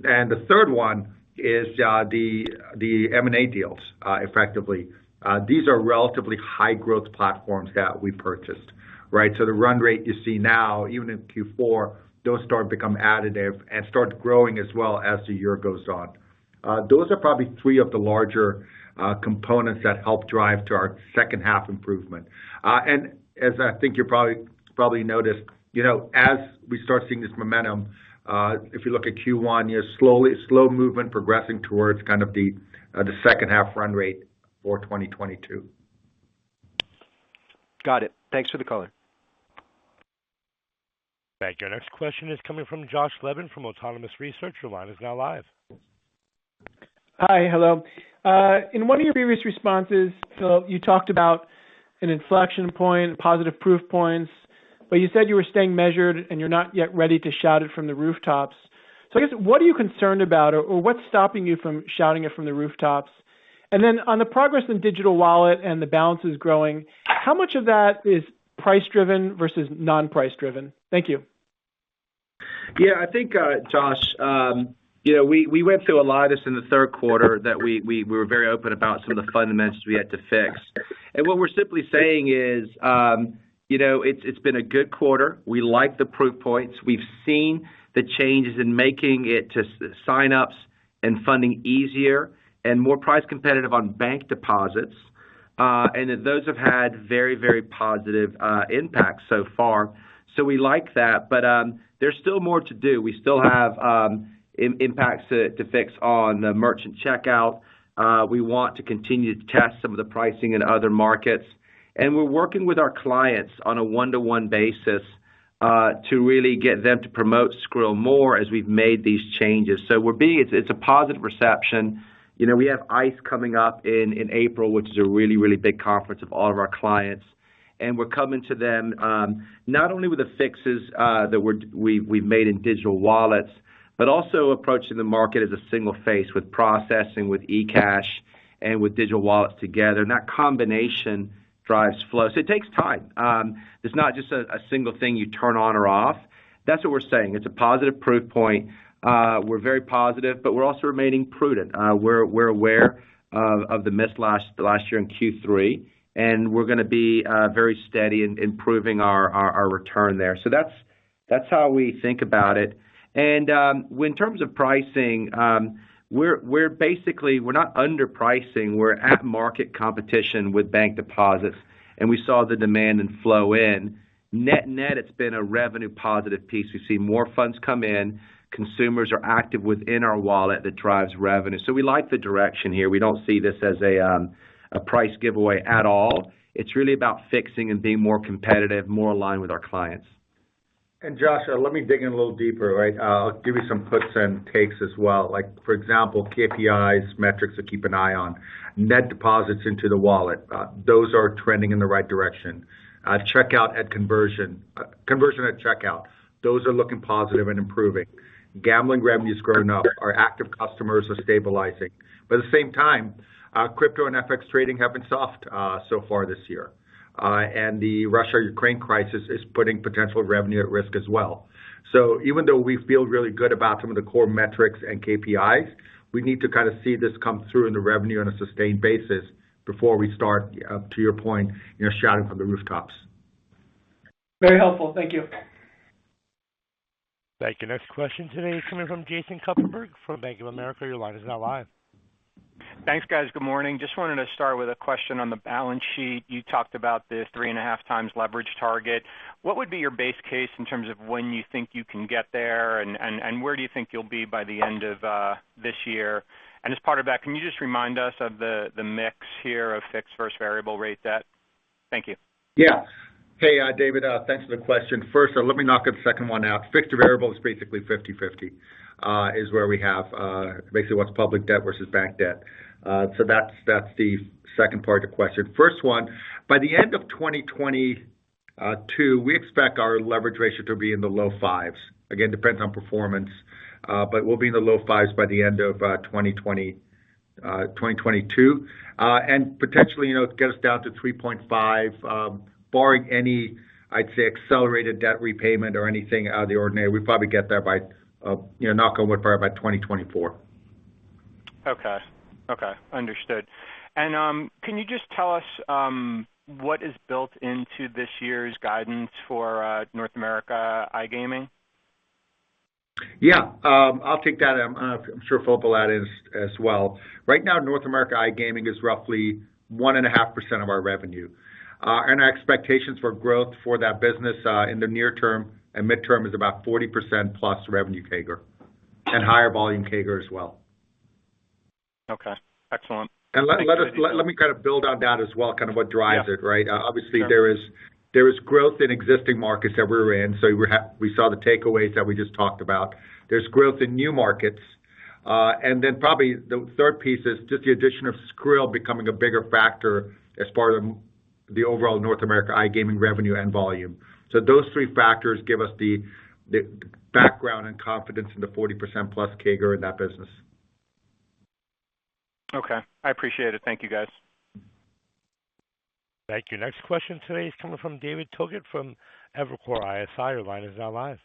The third one is the M&A deals effectively. These are relatively high-growth platforms that we purchased, right? The run rate you see now, even in Q4, those start to become additive and start growing as well as the year goes on. Those are probably three of the larger components that help drive to our second half improvement. As I think you probably noticed, you know, as we start seeing this momentum, if you look at Q1, you know, slow movement progressing towards kind of the second half run rate for 2022. Got it. Thanks for the color. Thank you. Our next question is coming from Josh Levin from Autonomous Research. Your line is now live. Hi. Hello. In one of your previous responses, Phil, you talked about an inflection point, positive proof points, but you said you were staying measured and you're not yet ready to shout it from the rooftops. I guess, what are you concerned about or what's stopping you from shouting it from the rooftops? On the progress in digital wallet and the balances growing, how much of that is price driven versus non-price driven? Thank you. Yeah. I think, Josh, you know, we went through a lot of this in the third quarter that we were very open about some of the fundamentals we had to fix. What we're simply saying is, you know, it's been a good quarter. We like the proof points. We've seen the changes in making sign ups and funding easier and more price competitive on bank deposits. And that those have had very, very positive impacts so far. We like that. There's still more to do. We still have impacts to fix on merchant checkout. We want to continue to test some of the pricing in other markets, and we're working with our clients on a one-to-one basis to really get them to promote Skrill more as we've made these changes. It's a positive reception. You know, we have ICE coming up in April, which is a really big conference of all of our clients. We're coming to them not only with the fixes that we've made in digital wallets, but also approaching the market as a single face with processing, with eCash and with digital wallets together. That combination drives flow. It takes time. It's not just a single thing you turn on or off. That's what we're saying. It's a positive proof point. We're very positive, but we're also remaining prudent. We're aware of the miss last year in Q3, and we're gonna be very steady in improving our return there. That's how we think about it. In terms of pricing, we're basically not underpricing. We're at market competition with bank deposits, and we saw the demand and flow in. Net-net, it's been a revenue positive piece. We've seen more funds come in. Consumers are active within our wallet that drives revenue. We like the direction here. We don't see this as a price giveaway at all. It's really about fixing and being more competitive, more aligned with our clients. Josh, let me dig in a little deeper, right? I'll give you some puts and takes as well. Like for example, KPIs, metrics to keep an eye on. Net deposits into the wallet, those are trending in the right direction. Checkout at conversion. Conversion at checkout. Those are looking positive and improving. Gambling revenue is growing up. Our active customers are stabilizing. At the same time, crypto and FX trading have been soft so far this year. The Russia-Ukraine crisis is putting potential revenue at risk as well. Even though we feel really good about some of the core metrics and KPIs, we need to kinda see this come through in the revenue on a sustained basis before we start, to your point, you know, shouting from the rooftops. Very helpful. Thank you. Thank you. Next question today is coming from Jason Kupferberg from Bank of America. Your line is now live. Thanks, guys. Good morning. Just wanted to start with a question on the balance sheet. You talked about the 3.5x leverage target. What would be your base case in terms of when you think you can get there and where do you think you'll be by the end of this year? And as part of that, can you just remind us of the mix here of fixed versus variable rate debt? Thank you. Yeah. Hey, David, thanks for the question. First, let me knock the second one out. Fixed versus variable is basically 50-50, is where we have, basically what's public debt versus bank debt. That's the second part of the question. First one, by the end of 2022, we expect our leverage ratio to be in the low 5s. Again, depends on performance, but we'll be in the low 5s by the end of 2022. Potentially, you know, get us down to 3.5, barring any, I'd say, accelerated debt repayment or anything out of the ordinary. We'd probably get there by, you know, knock on wood, probably by 2024. Okay. Understood. Can you just tell us what is built into this year's guidance for North America iGaming? Yeah. I'll take that. I'm sure Phil will add in as well. Right now, North America iGaming is roughly 1.5% of our revenue. Our expectations for growth for that business in the near term and midterm is about 40%+ revenue CAGR and higher volume CAGR as well. Okay. Excellent. Let me kind of build on that as well, kind of what drives it, right? Yeah. Obviously, there is growth in existing markets that we're in, so we saw the takeaways that we just talked about. There's growth in new markets. Then probably the third piece is just the addition of Skrill becoming a bigger factor as part of the overall North America iGaming revenue and volume. Those three factors give us the background and confidence in the 40%+ CAGR in that business. Okay. I appreciate it. Thank you, guys. Thank you. Next question today is coming from David Togut from Evercore ISI. Your line is now live.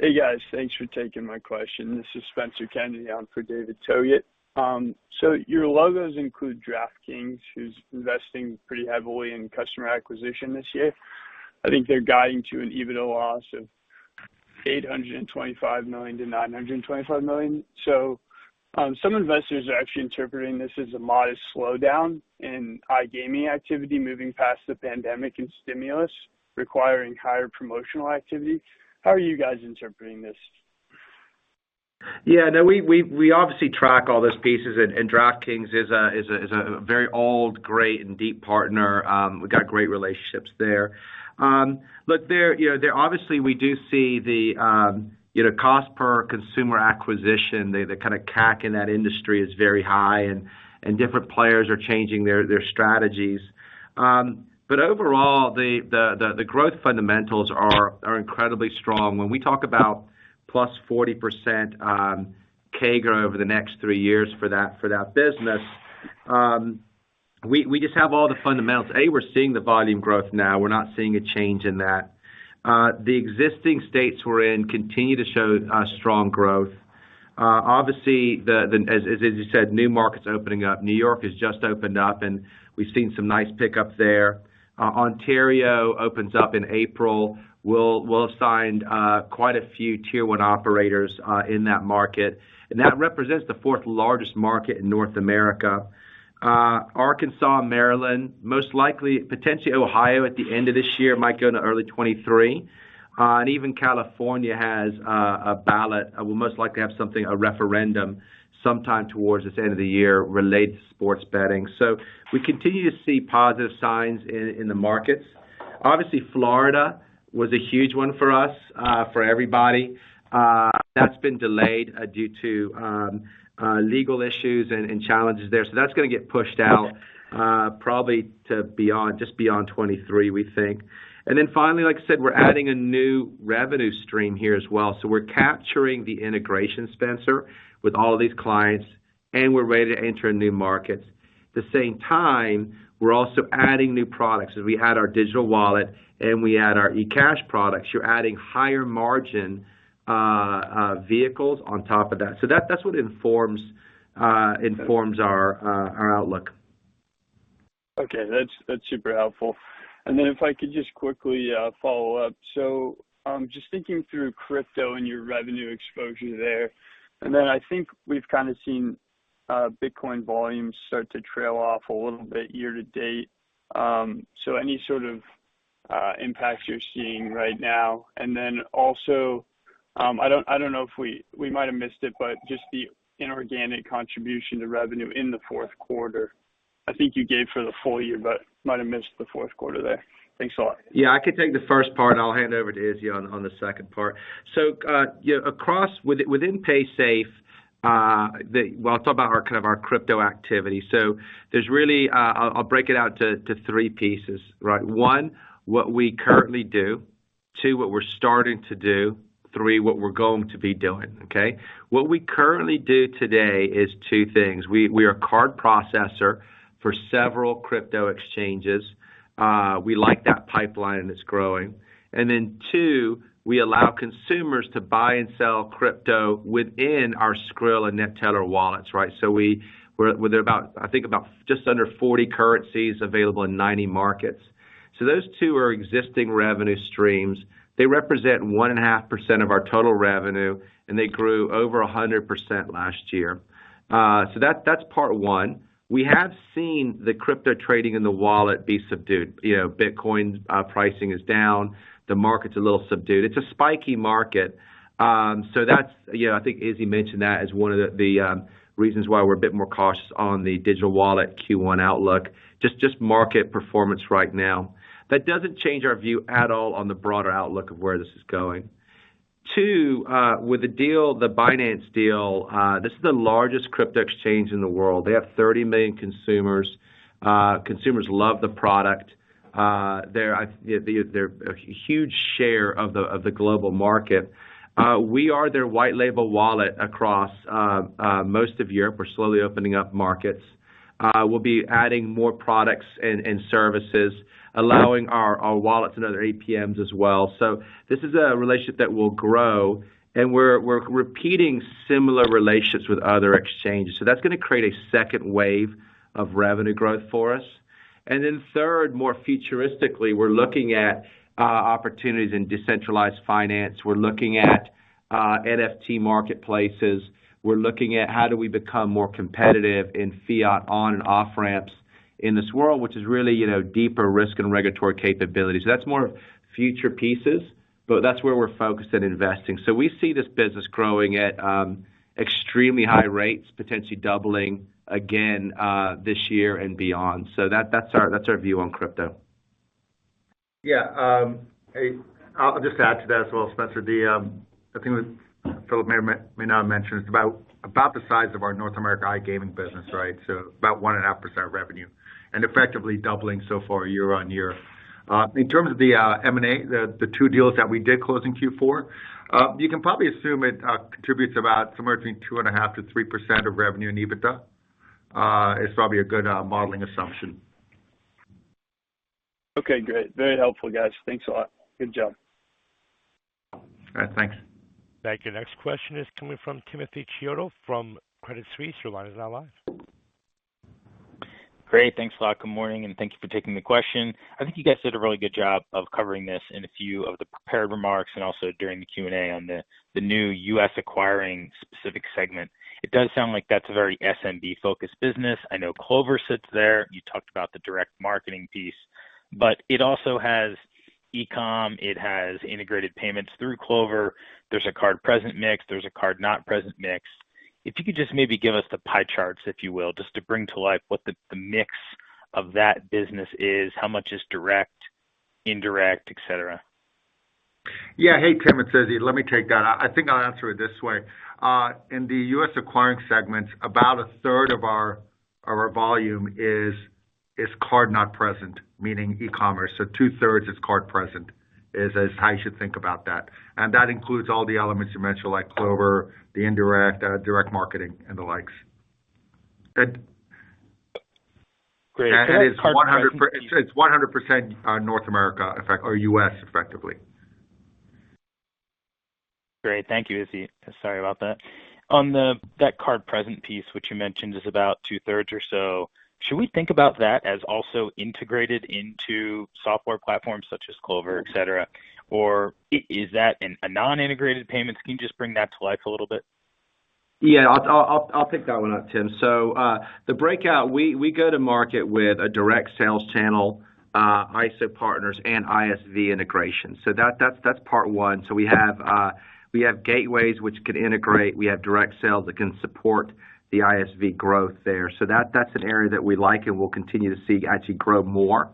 Hey, guys. Thanks for taking my question. This is Spencer Kennedy on for David Togut. Your logos include DraftKings, who's investing pretty heavily in customer acquisition this year. I think they're guiding to an EBITDA loss of $825 million-$925 million. Some investors are actually interpreting this as a modest slowdown in iGaming activity moving past the pandemic and stimulus requiring higher promotional activity. How are you guys interpreting this? Yeah. No, we obviously track all those pieces and DraftKings is a very old, great and deep partner. We've got great relationships there. Look, they're, you know, they're obviously we do see the, you know, cost per consumer acquisition. The kind of CAC in that industry is very high and different players are changing their strategies. Overall, the growth fundamentals are incredibly strong. When we talk about +40% CAGR over the next three years for that business, we just have all the fundamentals. We're seeing the volume growth now. We're not seeing a change in that. The existing states we're in continue to show strong growth. Obviously, as you said, new markets opening up. New York has just opened up, and we've seen some nice pickups there. Ontario opens up in April. We'll have signed quite a few tier one operators in that market, and that represents the fourth largest market in North America. Arkansas, Maryland, most likely, potentially Ohio at the end of this year, might go into early 2023. Even California has a ballot. We'll most likely have something, a referendum sometime towards the end of the year related to sports betting. We continue to see positive signs in the markets. Obviously, Florida was a huge one for us, for everybody. That's been delayed due to legal issues and challenges there. That's gonna get pushed out, probably to beyond, just beyond 2023, we think. Finally, like I said, we're adding a new revenue stream here as well. We're capturing the integration, Spencer, with all these clients, and we're ready to enter new markets. At the same time, we're also adding new products. As we add our digital wallet and we add our eCash products, you're adding higher margin vehicles on top of that. That's what informs our outlook. Okay. That's super helpful. If I could just quickly follow up. Just thinking through crypto and your revenue exposure there, and then I think we've kind of seen Bitcoin volumes start to trail off a little bit year to date. Any sort of impact you're seeing right now? I don't know if we might have missed it, but just the inorganic contribution to revenue in the fourth quarter. I think you gave for the full year but might have missed the fourth quarter there. Thanks a lot. Yeah. I can take the first part, and I'll hand over to Izzy on the second part. Yeah, across within Paysafe. Well, I'll talk about our kind of our crypto activity. There's really I'll break it out to three pieces, right? One, what we currently do. Two, what we're starting to do. Three, what we're going to be doing. Okay. What we currently do today is two things. We are a card processor for several crypto exchanges. We like that pipeline, and it's growing. And then two, we allow consumers to buy and sell crypto within our Skrill and Neteller wallets, right? We're about, I think about just under 40 currencies available in 90 markets. Those two are existing revenue streams. They represent 1.5% of our total revenue, and they grew over 100% last year. That's part one. We have seen the crypto trading in the wallet be subdued. You know, Bitcoin pricing is down. The market's a little subdued. It's a spiky market. That's, you know, I think Izzy mentioned that as one of the reasons why we're a bit more cautious on the digital wallet Q1 outlook, just market performance right now. That doesn't change our view at all on the broader outlook of where this is going. Two, with the deal, the Binance deal, this is the largest crypto exchange in the world. They have 30 million consumers. Consumers love the product. They're a huge share of the global market. We are their white label wallet across most of Europe. We're slowly opening up markets. We'll be adding more products and services, allowing our wallets and other APMs as well. This is a relationship that will grow, and we're repeating similar relationships with other exchanges. That's gonna create a second wave of revenue growth for us. Then third, more futuristically, we're looking at opportunities in decentralized finance. We're looking at NFT marketplaces. We're looking at how do we become more competitive in fiat on and off ramps in this world, which is really, you know, deeper risk and regulatory capabilities. That's more future pieces, but that's where we're focused and investing. We see this business growing at extremely high rates, potentially doubling again this year and beyond. That's our view on crypto. I'll just add to that as well, Spencer. The thing that Philip may or may not have mentioned, it's about the size of our North America iGaming business, right? About 1.5% revenue and effectively doubling so far year-over-year. In terms of M&A, the two deals that we did close in Q4, you can probably assume it contributes about somewhere between 2.5%-3% of revenue and EBITDA. It's probably a good modeling assumption. Okay, great. Very helpful, guys. Thanks a lot. Good job. All right. Thanks. Thank you. Next question is coming from Timothy Chiodo from Credit Suisse. The line is now live. Great. Thanks a lot. Good morning, and thank you for taking the question. I think you guys did a really good job of covering this in a few of the prepared remarks and also during the Q&A on the new U.S. acquiring specific segment. It does sound like that's a very SMB-focused business. I know Clover sits there. You talked about the direct marketing piece, but it also has e-com. It has integrated payments through Clover. There's a card present mix. There's a card not present mix. If you could just maybe give us the pie charts, if you will, just to bring to life what the mix of that business is? How much is direct, indirect, et cetera? Yeah. Hey, Tim. It's Izzy. Let me take that. I think I'll answer it this way. In the U.S. acquiring segments, about 1/3 of our volume is card not present, meaning e-commerce. 2/3 is card present, as how you should think about that. That includes all the elements you mentioned, like Clover, the indirect, direct marketing and the likes. Great. It's 100% North America effect or U.S. effectively. Great. Thank you, Izzy. Sorry about that. On that card present piece, which you mentioned is about 2/3 or so, should we think about that as also integrated into software platforms such as Clover, et cetera? Or is that a non-integrated payments? Can you just bring that to life a little bit? Yeah. I'll pick that one up, Tim. The breakout, we go to market with a direct sales channel, ISO partners and ISV integration. That's part one. We have gateways which can integrate. We have direct sales that can support the ISV growth there. That's an area that we like and we'll continue to see actually grow more.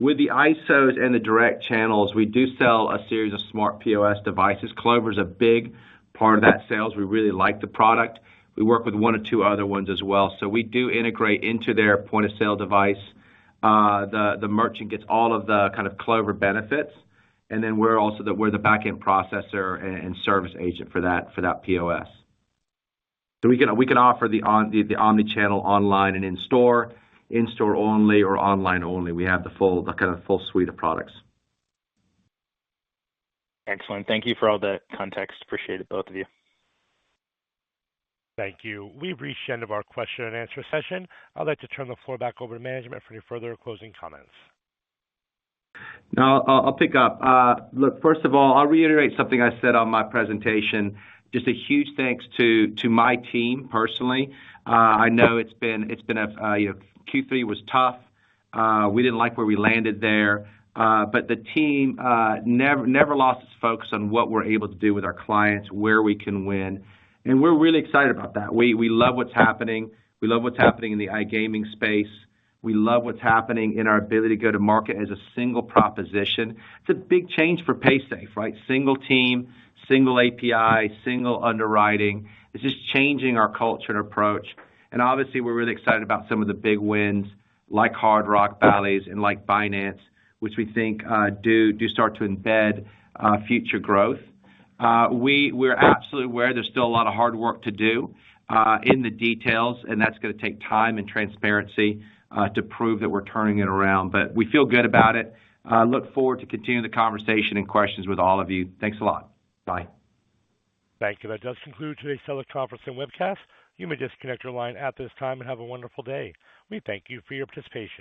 With the ISOs and the direct channels, we do sell a series of smart POS devices. Clover's a big part of that sales. We really like the product. We work with one or two other ones as well. We do integrate into their point of sale device. The merchant gets all of the kind of Clover benefits. We're the backend processor and service agent for that POS. We can offer the omnichannel online and in-store, in-store only or online only. We have the kinda full suite of products. Excellent. Thank you for all the context. Appreciate it, both of you. Thank you. We've reached the end of our question and answer session. I'd like to turn the floor back over to management for any further closing comments. No, I'll pick up. Look, first of all, I'll reiterate something I said on my presentation. Just a huge thanks to my team personally. I know it's been a, you know, Q3 was tough. We didn't like where we landed there. But the team never lost its focus on what we're able to do with our clients, where we can win, and we're really excited about that. We love what's happening. We love what's happening in the iGaming space. We love what's happening in our ability to go to market as a single proposition. It's a big change for Paysafe, right? Single team, single API, single underwriting. It's just changing our culture and approach. Obviously we're really excited about some of the big wins like Hard Rock, Bally's and like Binance, which we think do start to embed future growth. We're absolutely aware there's still a lot of hard work to do in the details, and that's gonna take time and transparency to prove that we're turning it around. We feel good about it. Look forward to continuing the conversation and questions with all of you. Thanks a lot. Bye. Thank you. That does conclude today's teleconference and webcast. You may disconnect your line at this time and have a wonderful day. We thank you for your participation.